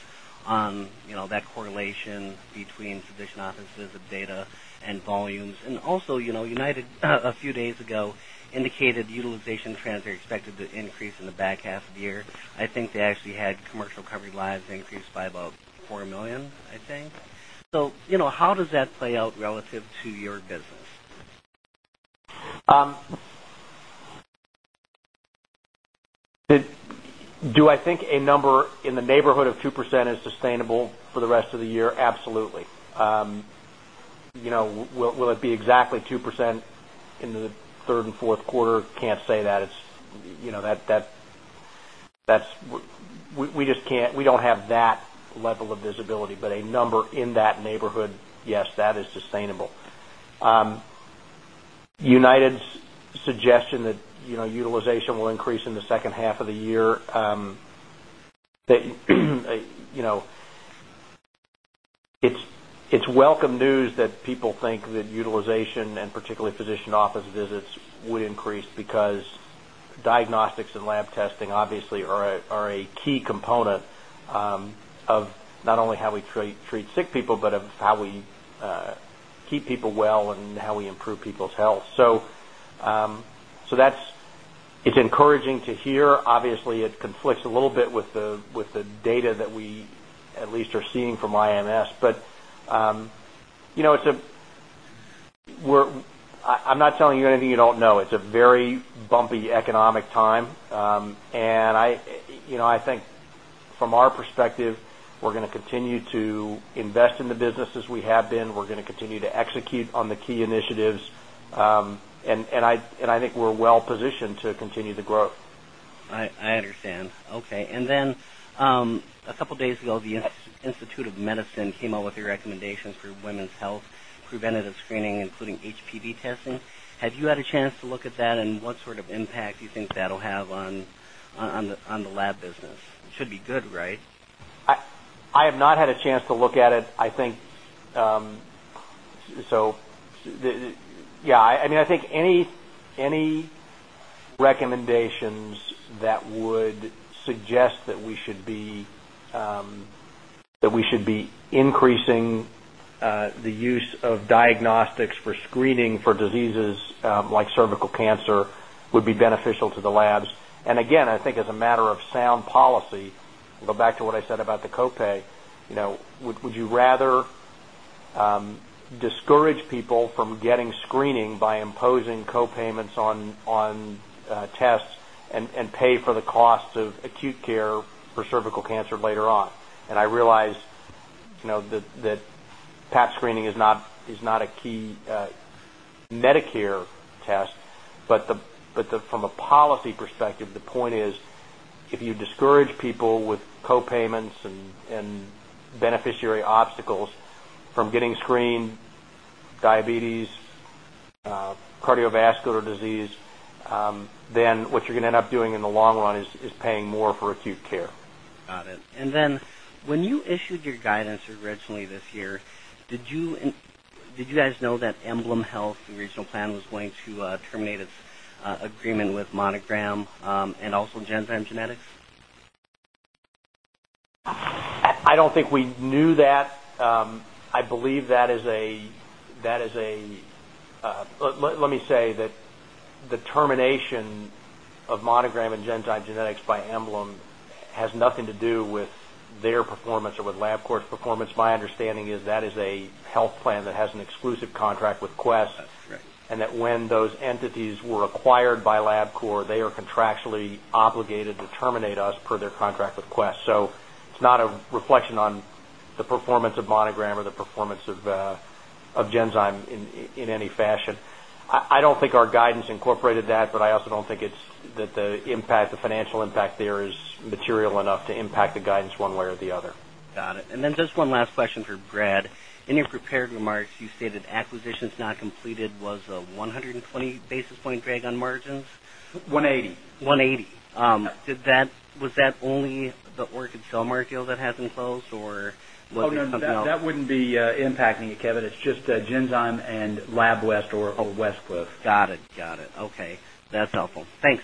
on that correlation between physician office visit data and volumes. Also, United a few days ago indicated utilization trends are expected to increase in the back half of the year. I think they actually had commercial covered lives increase by about 4 million, I think. How does that play out relative to your business?
Do I think a number in the neighborhood of 2% is sustainable for the rest of the year? Absolutely. Will it be exactly 2% in the third and fourth quarter? Can't say that. We don't have that level of visibility. But a number in that neighborhood, yes, that is sustainable. United's suggestion that utilization will increase in the second half of the year, it's welcome news that people think that utilization and particularly physician office visits would increase because diagnostics and lab testing obviously are a key component of not only how we treat sick people, but of how we keep people well and how we improve people's health. It is encouraging to hear. Obviously, it conflicts a little bit with the data that we at least are seeing from IMS. I'm not telling you anything you don't know. It's a very bumpy economic time. I think from our perspective, we're going to continue to invest in the business as we have been. We're going to continue to execute on the key initiatives. I think we're well positioned to continue the growth.
I understand. Okay. A couple of days ago, the Institute of Medicine came out with a recommendation for women's health preventative screening, including HPV testing. Have you had a chance to look at that, and what sort of impact do you think that will have on the lab business? It should be good, right?
I have not had a chance to look at it. Yeah. I mean, I think any recommendations that would suggest that we should be increasing the use of diagnostics for screening for diseases like cervical cancer would be beneficial to the labs. Again, I think as a matter of sound policy, go back to what I said about the copay, would you rather discourage people from getting screening by imposing copayments on tests and pay for the cost of acute care for cervical cancer later on? I realize that pap screening is not a key Medicare test, but from a policy perspective, the point is if you discourage people with copayments and beneficiary obstacles from getting screened, diabetes, cardiovascular disease, then what you're going to end up doing in the long run is paying more for acute care.
Got it. And then when you issued your guidance originally this year, did you guys know that EmblemHealth, the regional plan, was going to terminate its agreement with Monogram and also Genzyme Genetics?
I do not think we knew that. I believe that is a—let me say that the termination of Monogram and Genzyme Genetics by Emblem has nothing to do with their performance or with LabCorp's performance. My understanding is that is a health plan that has an exclusive contract with Quest, and that when those entities were acquired by LabCorp, they are contractually obligated to terminate us per their contract with Quest. It is not a reflection on the performance of Monogram or the performance of Genzyme in any fashion. I do not think our guidance incorporated that, but I also do not think that the financial impact there is material enough to impact the guidance one way or the other.
Got it. And then just one last question for Brad. In your prepared remarks, you stated acquisitions not completed was a 120 basis point drag on margins.
180.
180. Was that only the Orchid Cellmark that hasn't closed, or was it something else?
No, no, no. That would not be impacting it, Kevin. It is just Genzyme and LabWest or Westcliff.
Got it. Got it. Okay. That's helpful. Thanks.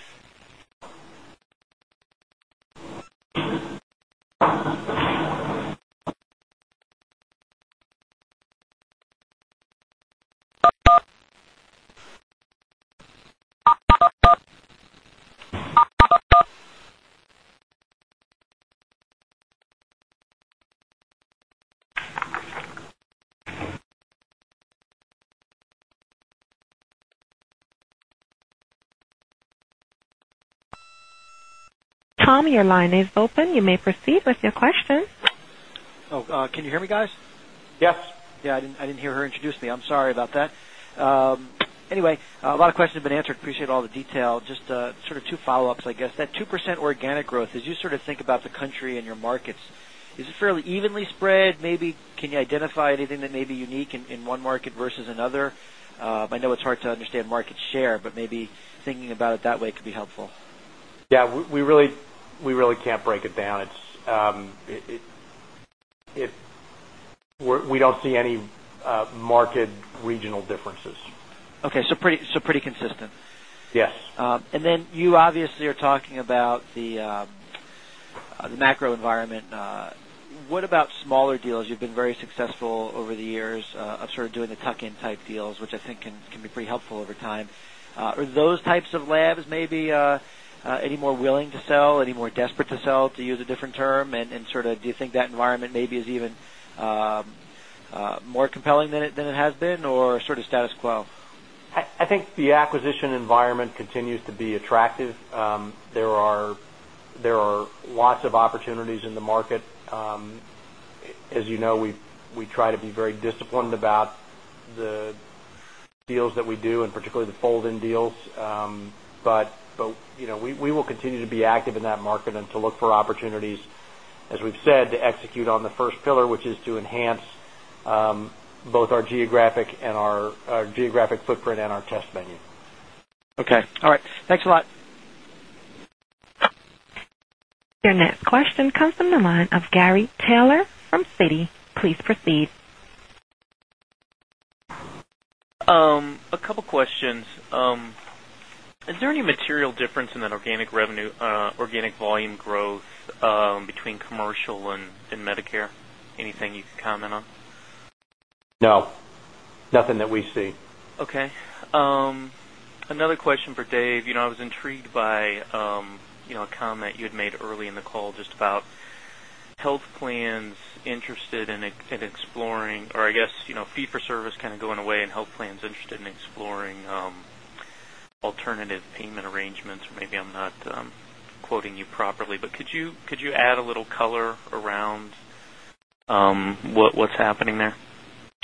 Tom, your line is open. You may proceed with your question.
Oh, can you hear me, guys?
Yes.
Yeah. I did not hear her introduce me. I am sorry about that. Anyway, a lot of questions have been answered. Appreciate all the detail. Just sort of two follow-ups, I guess. That 2% organic growth, as you sort of think about the country and your markets, is it fairly evenly spread? Maybe can you identify anything that may be unique in one market versus another? I know it is hard to understand market share, but maybe thinking about it that way could be helpful.
Yeah. We really can't break it down. We don't see any market regional differences.
Okay. So pretty consistent.
Yes.
You obviously are talking about the macro environment. What about smaller deals? You've been very successful over the years of sort of doing the tuck-in type deals, which I think can be pretty helpful over time. Are those types of labs maybe any more willing to sell, any more desperate to sell, to use a different term? Do you think that environment maybe is even more compelling than it has been, or sort of status quo?
I think the acquisition environment continues to be attractive. There are lots of opportunities in the market. As you know, we try to be very disciplined about the deals that we do, and particularly the fold-in deals. We will continue to be active in that market and to look for opportunities, as we've said, to execute on the first pillar, which is to enhance both our geographic footprint and our test venue.
Okay. All right. Thanks a lot.
Your next question comes from the line of Gary Taylor from Citi. Please proceed.
A couple of questions. Is there any material difference in that organic volume growth between commercial and Medicare? Anything you can comment on?
No. Nothing that we see.
Okay. Another question for Dave. I was intrigued by a comment you had made early in the call just about health plans interested in exploring, or I guess fee-for-service kind of going away, and health plans interested in exploring alternative payment arrangements. Maybe I'm not quoting you properly. Could you add a little color around what's happening there?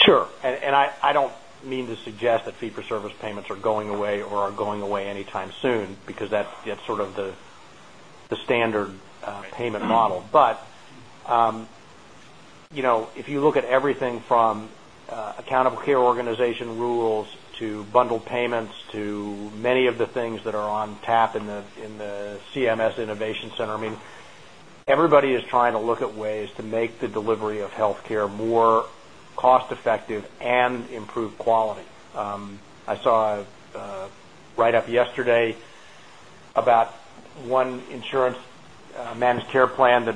Sure. I do not mean to suggest that fee-for-service payments are going away or are going away anytime soon because that is sort of the standard payment model. If you look at everything from accountable care organization rules to bundled payments to many of the things that are on tap in the CMS Innovation Center, I mean, everybody is trying to look at ways to make the delivery of healthcare more cost-effective and improve quality. I saw a write-up yesterday about one insurance managed care plan that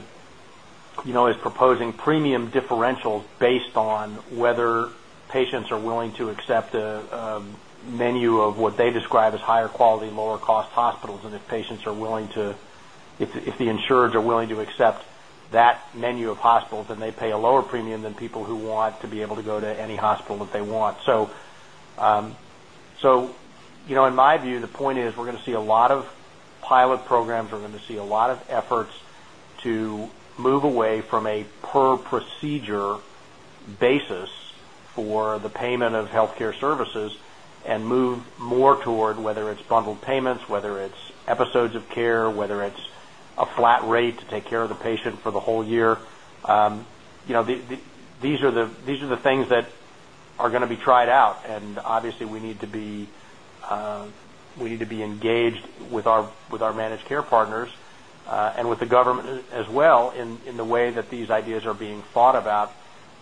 is proposing premium differentials based on whether patients are willing to accept a menu of what they describe as higher quality, lower-cost hospitals. If patients are willing to—if the insureds are willing to accept that menu of hospitals, then they pay a lower premium than people who want to be able to go to any hospital that they want. In my view, the point is we're going to see a lot of pilot programs. We're going to see a lot of efforts to move away from a per-procedure basis for the payment of healthcare services and move more toward whether it's bundled payments, whether it's episodes of care, whether it's a flat rate to take care of the patient for the whole year. These are the things that are going to be tried out. Obviously, we need to be engaged with our managed care partners and with the government as well in the way that these ideas are being thought about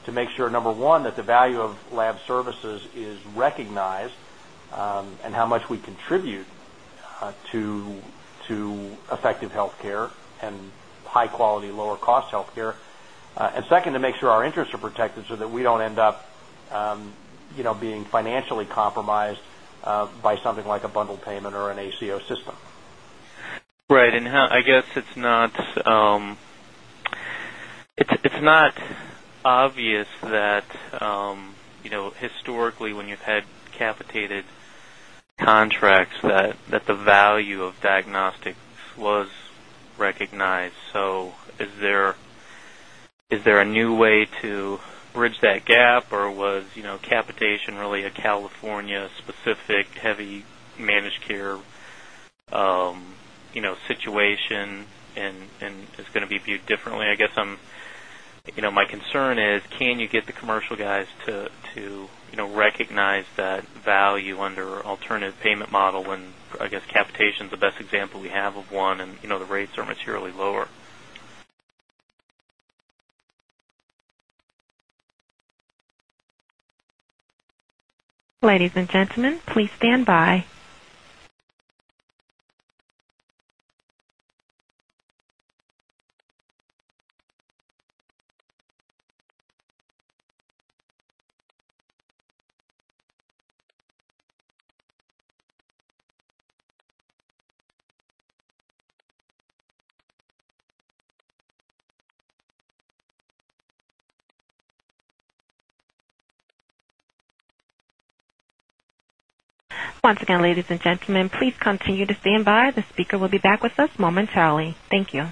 to make sure, number one, that the value of lab services is recognized and how much we contribute to effective healthcare and high-quality, lower-cost healthcare. Second, to make sure our interests are protected so that we do not end up being financially compromised by something like a bundled payment or an ACO system.
Right. I guess it's not obvious that historically, when you've had capitated contracts, the value of diagnostics was recognized. Is there a new way to bridge that gap, or was capitation really a California-specific heavy managed care situation and is going to be viewed differently? I guess my concern is, can you get the commercial guys to recognize that value under alternative payment model when I guess capitation is the best example we have of one, and the rates are materially lower?
Ladies and gentlemen, please stand by. Once again, ladies and gentlemen, please continue to stand by. The speaker will be back with us momentarily. Thank you.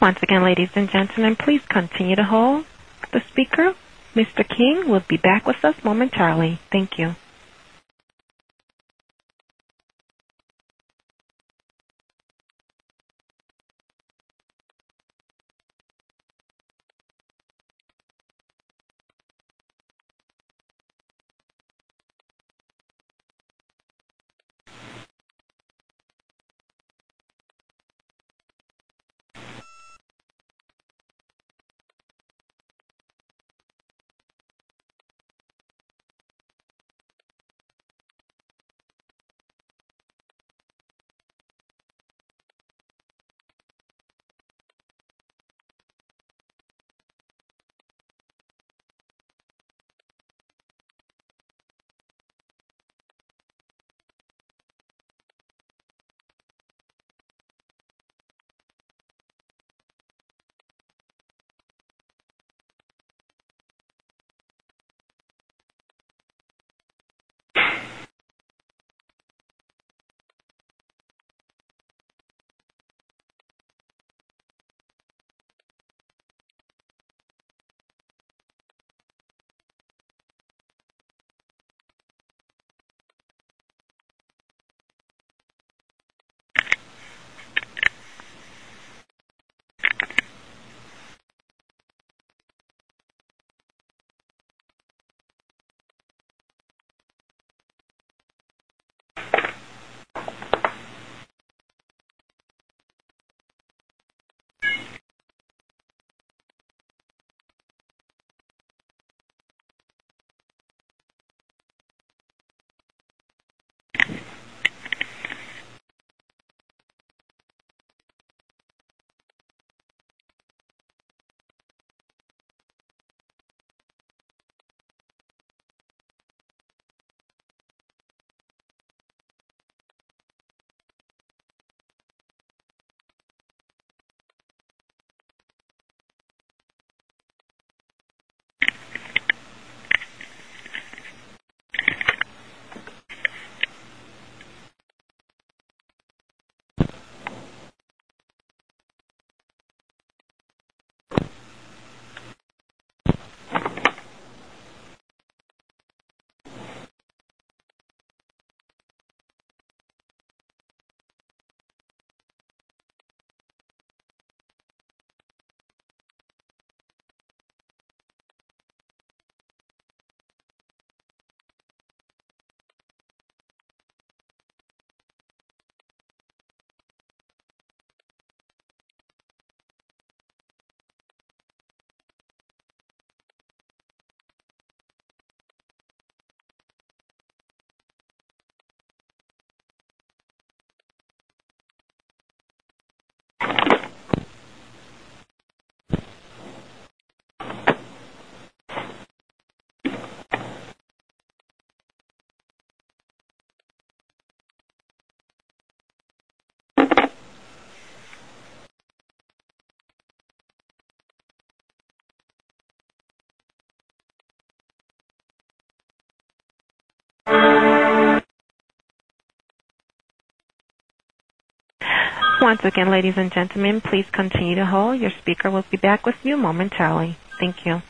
Once again, ladies and gentlemen, please continue to hold. The speaker, Mr. King, will be back with us momentarily. Thank you. Once again, ladies and gentlemen, please continue to hold. Your speaker will be back with you momentarily. Thank you.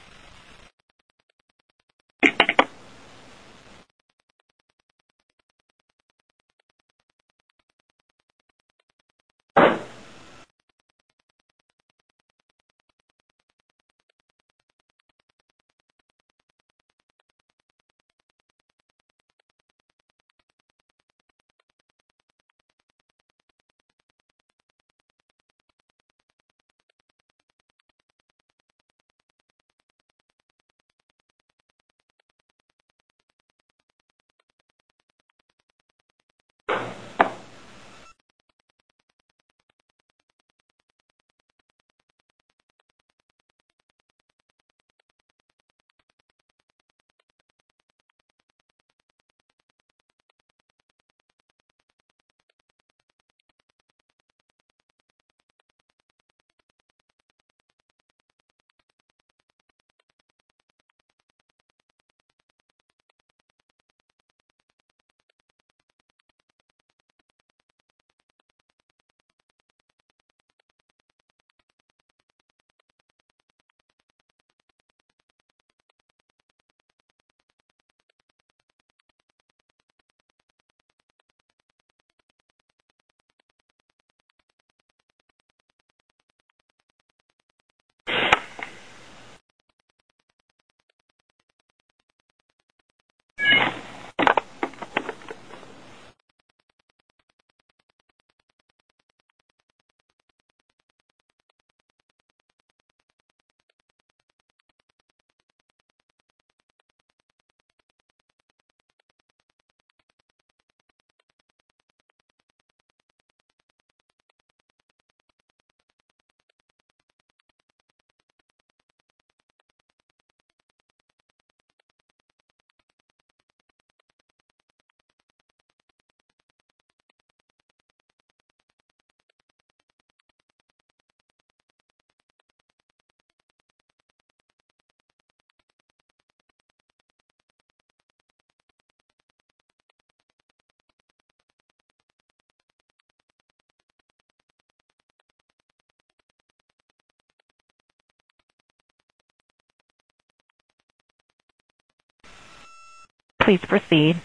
Please proceed.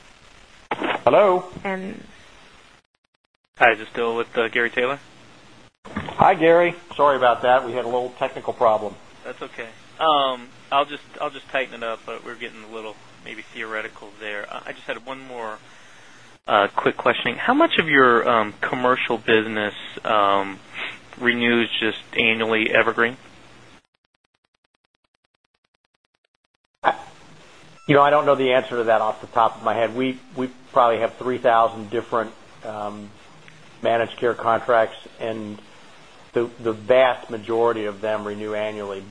Hello?
And.
Hi. Is this still with Gary Taylor? Hi, Gary. Sorry about that. We had a little technical problem.
That's okay. I'll just tighten it up, but we're getting a little maybe theoretical there. I just had one more quick question. How much of your commercial business renews just annually evergreen?
I don't know the answer to that off the top of my head. We probably have 3,000 different managed care contracts, and the vast majority of them renew annually.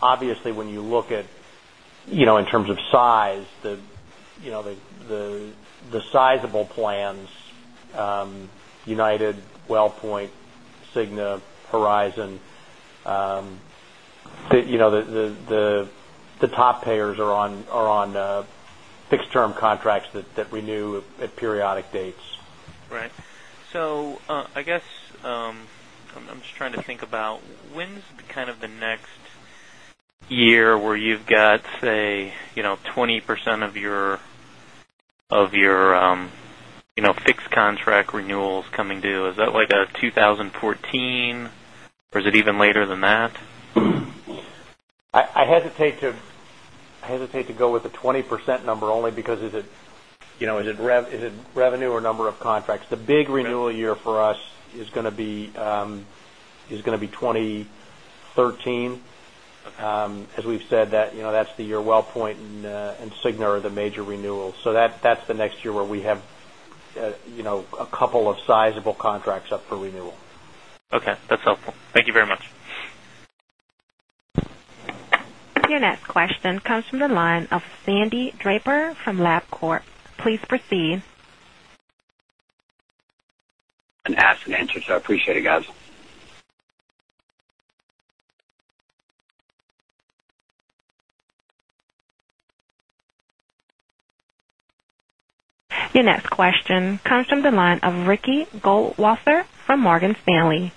Obviously, when you look at in terms of size, the sizable plans—United, Wellpoint, Cigna, Horizon—the top payers are on fixed-term contracts that renew at periodic dates.
Right. So I guess I'm just trying to think about when's kind of the next year where you've got, say, 20% of your fixed contract renewals coming due? Is that like 2014, or is it even later than that?
I hesitate to go with the 20% number only because is it revenue or number of contracts? The big renewal year for us is going to be 2013. As we've said, that's the year Wellpoint and Cigna are the major renewals. So that's the next year where we have a couple of sizable contracts up for renewal.
Okay. That's helpful. Thank you very much.
Your next question comes from the line of Sandy Draper from LabCorp. Please proceed.
An asked and answered, so I appreciate it, guys.
Your next question comes from the line of Ricky Goldwasser from Morgan Stanley.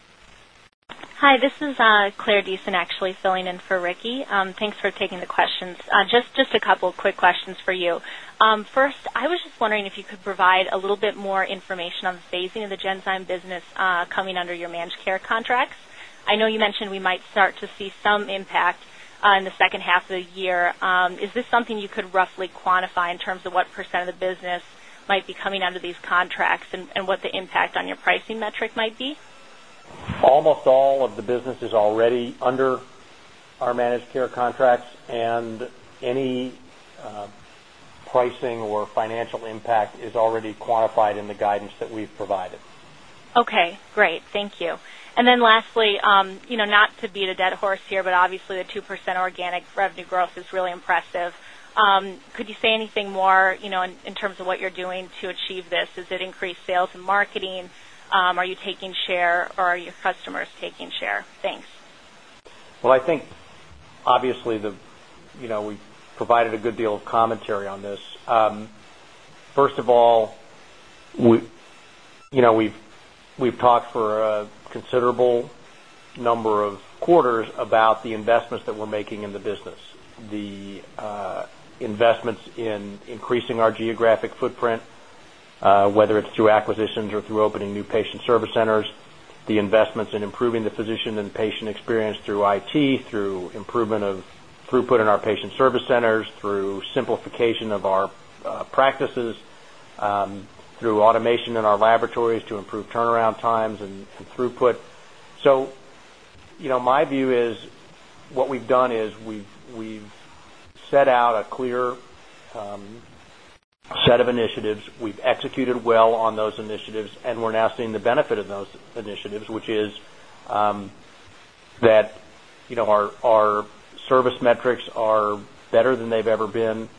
Hi. This is Claire Diesen, actually filling in for Ricky. Thanks for taking the questions. Just a couple of quick questions for you. First, I was just wondering if you could provide a little bit more information on the phasing of the Genzyme business coming under your managed care contracts. I know you mentioned we might start to see some impact in the second half of the year. Is this something you could roughly quantify in terms of what % of the business might be coming under these contracts and what the impact on your pricing metric might be?
Almost all of the business is already under our managed care contracts, and any pricing or financial impact is already quantified in the guidance that we've provided.
Okay. Great. Thank you. Lastly, not to beat a dead horse here, but obviously, the 2% organic revenue growth is really impressive. Could you say anything more in terms of what you're doing to achieve this? Is it increased sales and marketing? Are you taking share, or are your customers taking share? Thanks.
I think obviously we've provided a good deal of commentary on this. First of all, we've talked for a considerable number of quarters about the investments that we're making in the business, the investments in increasing our geographic footprint, whether it's through acquisitions or through opening new patient service centers, the investments in improving the physician and patient experience through IT, through improvement of throughput in our patient service centers, through simplification of our practices, through automation in our laboratories to improve turnaround times and throughput. My view is what we've done is we've set out a clear set of initiatives. We've executed well on those initiatives, and we're now seeing the benefit of those initiatives, which is that our service metrics are better than they've ever been.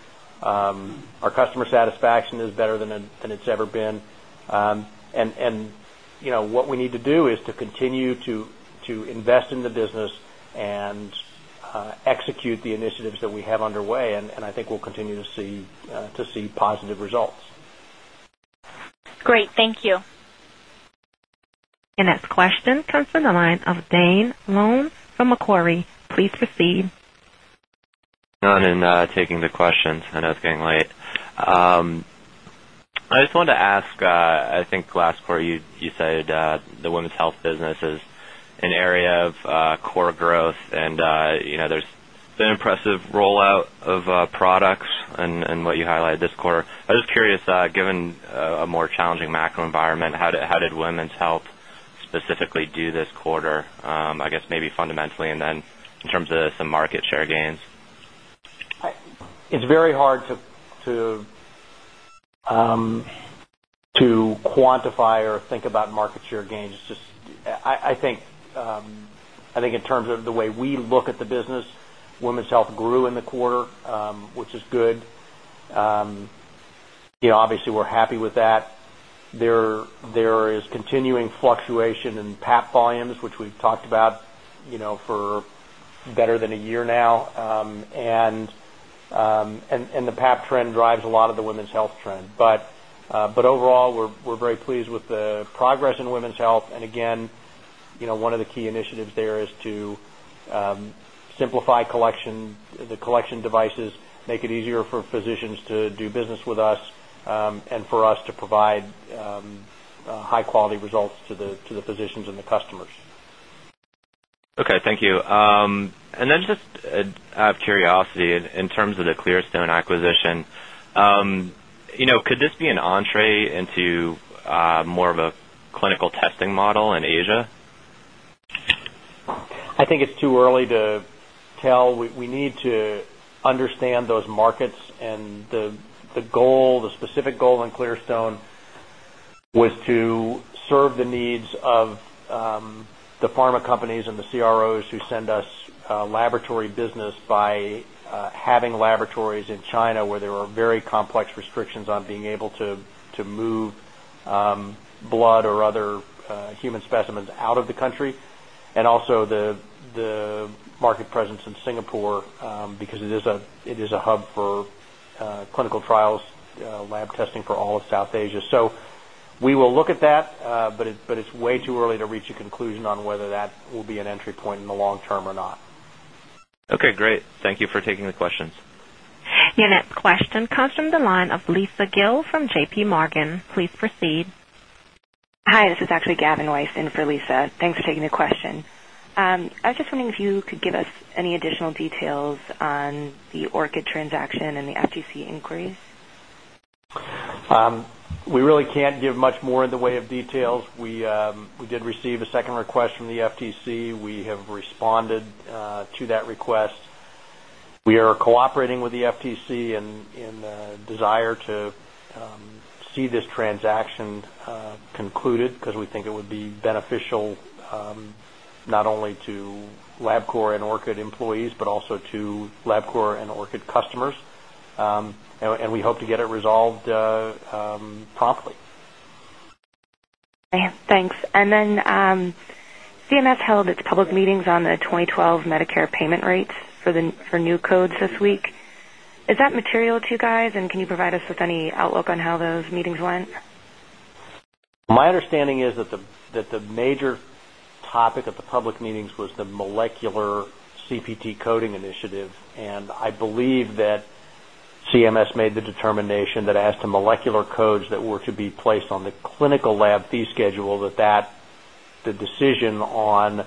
Our customer satisfaction is better than it's ever been. What we need to do is to continue to invest in the business and execute the initiatives that we have underway, and I think we'll continue to see positive results.
Great. Thank you.
Your next question comes from the line of Dane Leone from Macquarie. Please proceed.
I'm taking the questions. I know it's getting late. I just wanted to ask, I think last quarter you said the women's health business is an area of core growth, and there's been an impressive rollout of products and what you highlighted this quarter. I was just curious, given a more challenging macro environment, how did women's health specifically do this quarter? I guess maybe fundamentally and then in terms of some market share gains?
It's very hard to quantify or think about market share gains. I think in terms of the way we look at the business, women's health grew in the quarter, which is good. Obviously, we're happy with that. There is continuing fluctuation in Pap volumes, which we've talked about for better than a year now, and the Pap trend drives a lot of the women's health trend. Overall, we're very pleased with the progress in women's health. Again, one of the key initiatives there is to simplify the collection devices, make it easier for physicians to do business with us, and for us to provide high-quality results to the physicians and the customers.
Okay. Thank you. And then just out of curiosity, in terms of the Clearstone acquisition, could this be an entrée into more of a clinical testing model in Asia?
I think it's too early to tell. We need to understand those markets, and the specific goal in Clearstone was to serve the needs of the pharma companies and the CROs who send us laboratory business by having laboratories in China where there are very complex restrictions on being able to move blood or other human specimens out of the country, and also the market presence in Singapore because it is a hub for clinical trials, lab testing for all of South Asia. We will look at that, but it's way too early to reach a conclusion on whether that will be an entry point in the long term or not.
Okay. Great. Thank you for taking the questions.
Your next question comes from the line of Lisa Gill from JPMorgan. Please proceed.
Hi. This is actually Gavin Weiss in for Lisa. Thanks for taking the question. I was just wondering if you could give us any additional details on the Orchid transaction and the FTC inquiry.
We really can't give much more in the way of details. We did receive a second request from the FTC. We have responded to that request. We are cooperating with the FTC in the desire to see this transaction concluded because we think it would be beneficial not only to LabCorp and Orchid employees but also to LabCorp and Orchid customers. We hope to get it resolved promptly.
Thanks. Then CMS held its public meetings on the 2012 Medicare payment rates for new codes this week. Is that material to you guys, and can you provide us with any outlook on how those meetings went?
My understanding is that the major topic at the public meetings was the molecular CPT coding initiative, and I believe that CMS made the determination that as to molecular codes that were to be placed on the clinical lab fee schedule, that the decision on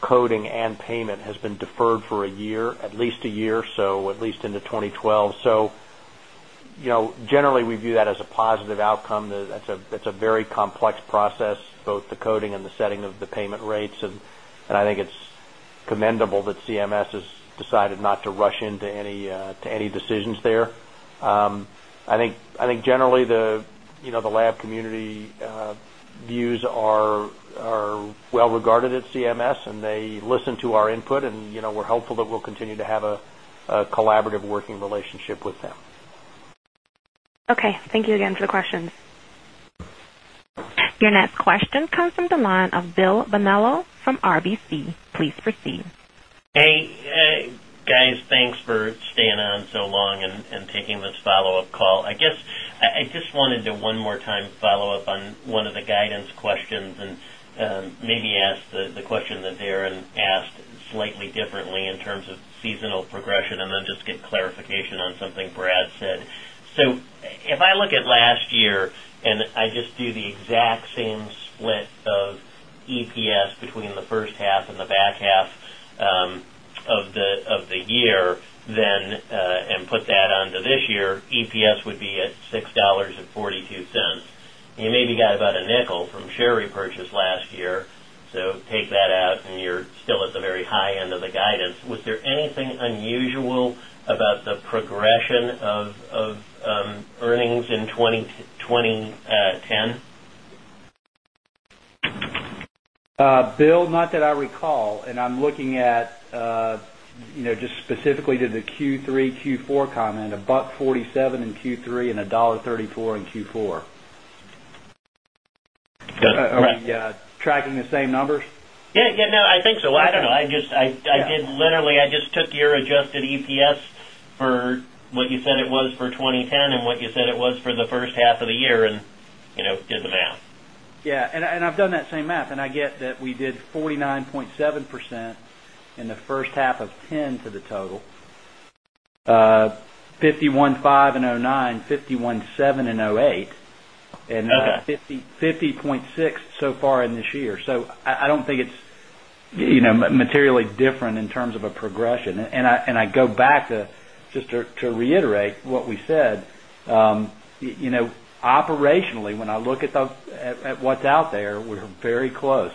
coding and payment has been deferred for at least a year or so, at least into 2012. Generally, we view that as a positive outcome. That is a very complex process, both the coding and the setting of the payment rates, and I think it is commendable that CMS has decided not to rush into any decisions there. I think generally the lab community views are well regarded at CMS, and they listen to our input, and we are hopeful that we will continue to have a collaborative working relationship with them.
Okay. Thank you again for the questions.
Your next question comes from the line of Bill Bonello from RBC. Please proceed.
Hey, guys. Thanks for staying on so long and taking this follow-up call. I guess I just wanted to one more time follow up on one of the guidance questions and maybe ask the question that Darren asked slightly differently in terms of seasonal progression and then just get clarification on something Brad said. If I look at last year and I just do the exact same split of EPS between the first half and the back half of the year and put that onto this year, EPS would be at $6.42. You maybe got about a nickel from share repurchase last year, so take that out, and you're still at the very high end of the guidance. Was there anything unusual about the progression of earnings in 2010?
Bill, not that I recall, and I'm looking at just specifically to the Q3, Q4 comment, $1.47 in Q3 and $1.34 in Q4. Are we tracking the same numbers?
Yeah. Yeah. No, I think so. I don't know. Literally, I just took your adjusted EPS for what you said it was for 2010 and what you said it was for the first half of the year and did the math.
Yeah. And I've done that same math, and I get that we did 49.7% in the first half of 2010 to the total, 51.5% in 2009, 51.7% in 2008, and 50.6% so far in this year. I do not think it's materially different in terms of a progression. I go back just to reiterate what we said. Operationally, when I look at what's out there, we're very close.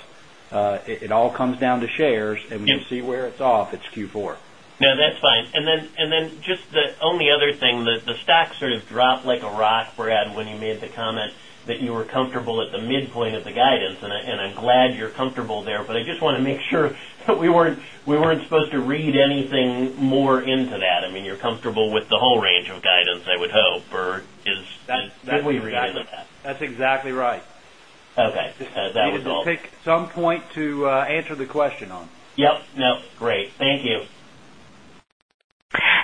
It all comes down to shares, and we can see where it's off. It's Q4.
No, that's fine. Then just the only other thing, the stock sort of dropped like a rock, Brad, when you made the comment that you were comfortable at the midpoint of the guidance, and I'm glad you're comfortable there, but I just want to make sure that we weren't supposed to read anything more into that. I mean, you're comfortable with the whole range of guidance, I would hope, or did we read into that?
That's exactly right.
Okay. That was all.
You can take some point to answer the question on.
Yep. Nope. Great. Thank you.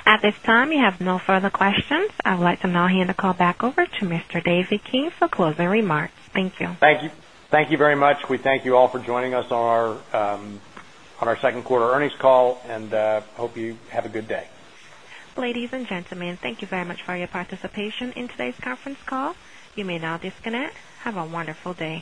At this time, we have no further questions. I would like to now hand the call back over to Mr. David King for closing remarks. Thank you.
Thank you. Thank you very much. We thank you all for joining us on our second quarter earnings call, and hope you have a good day.
Ladies and gentlemen, thank you very much for your participation in today's conference call. You may now disconnect. Have a wonderful day.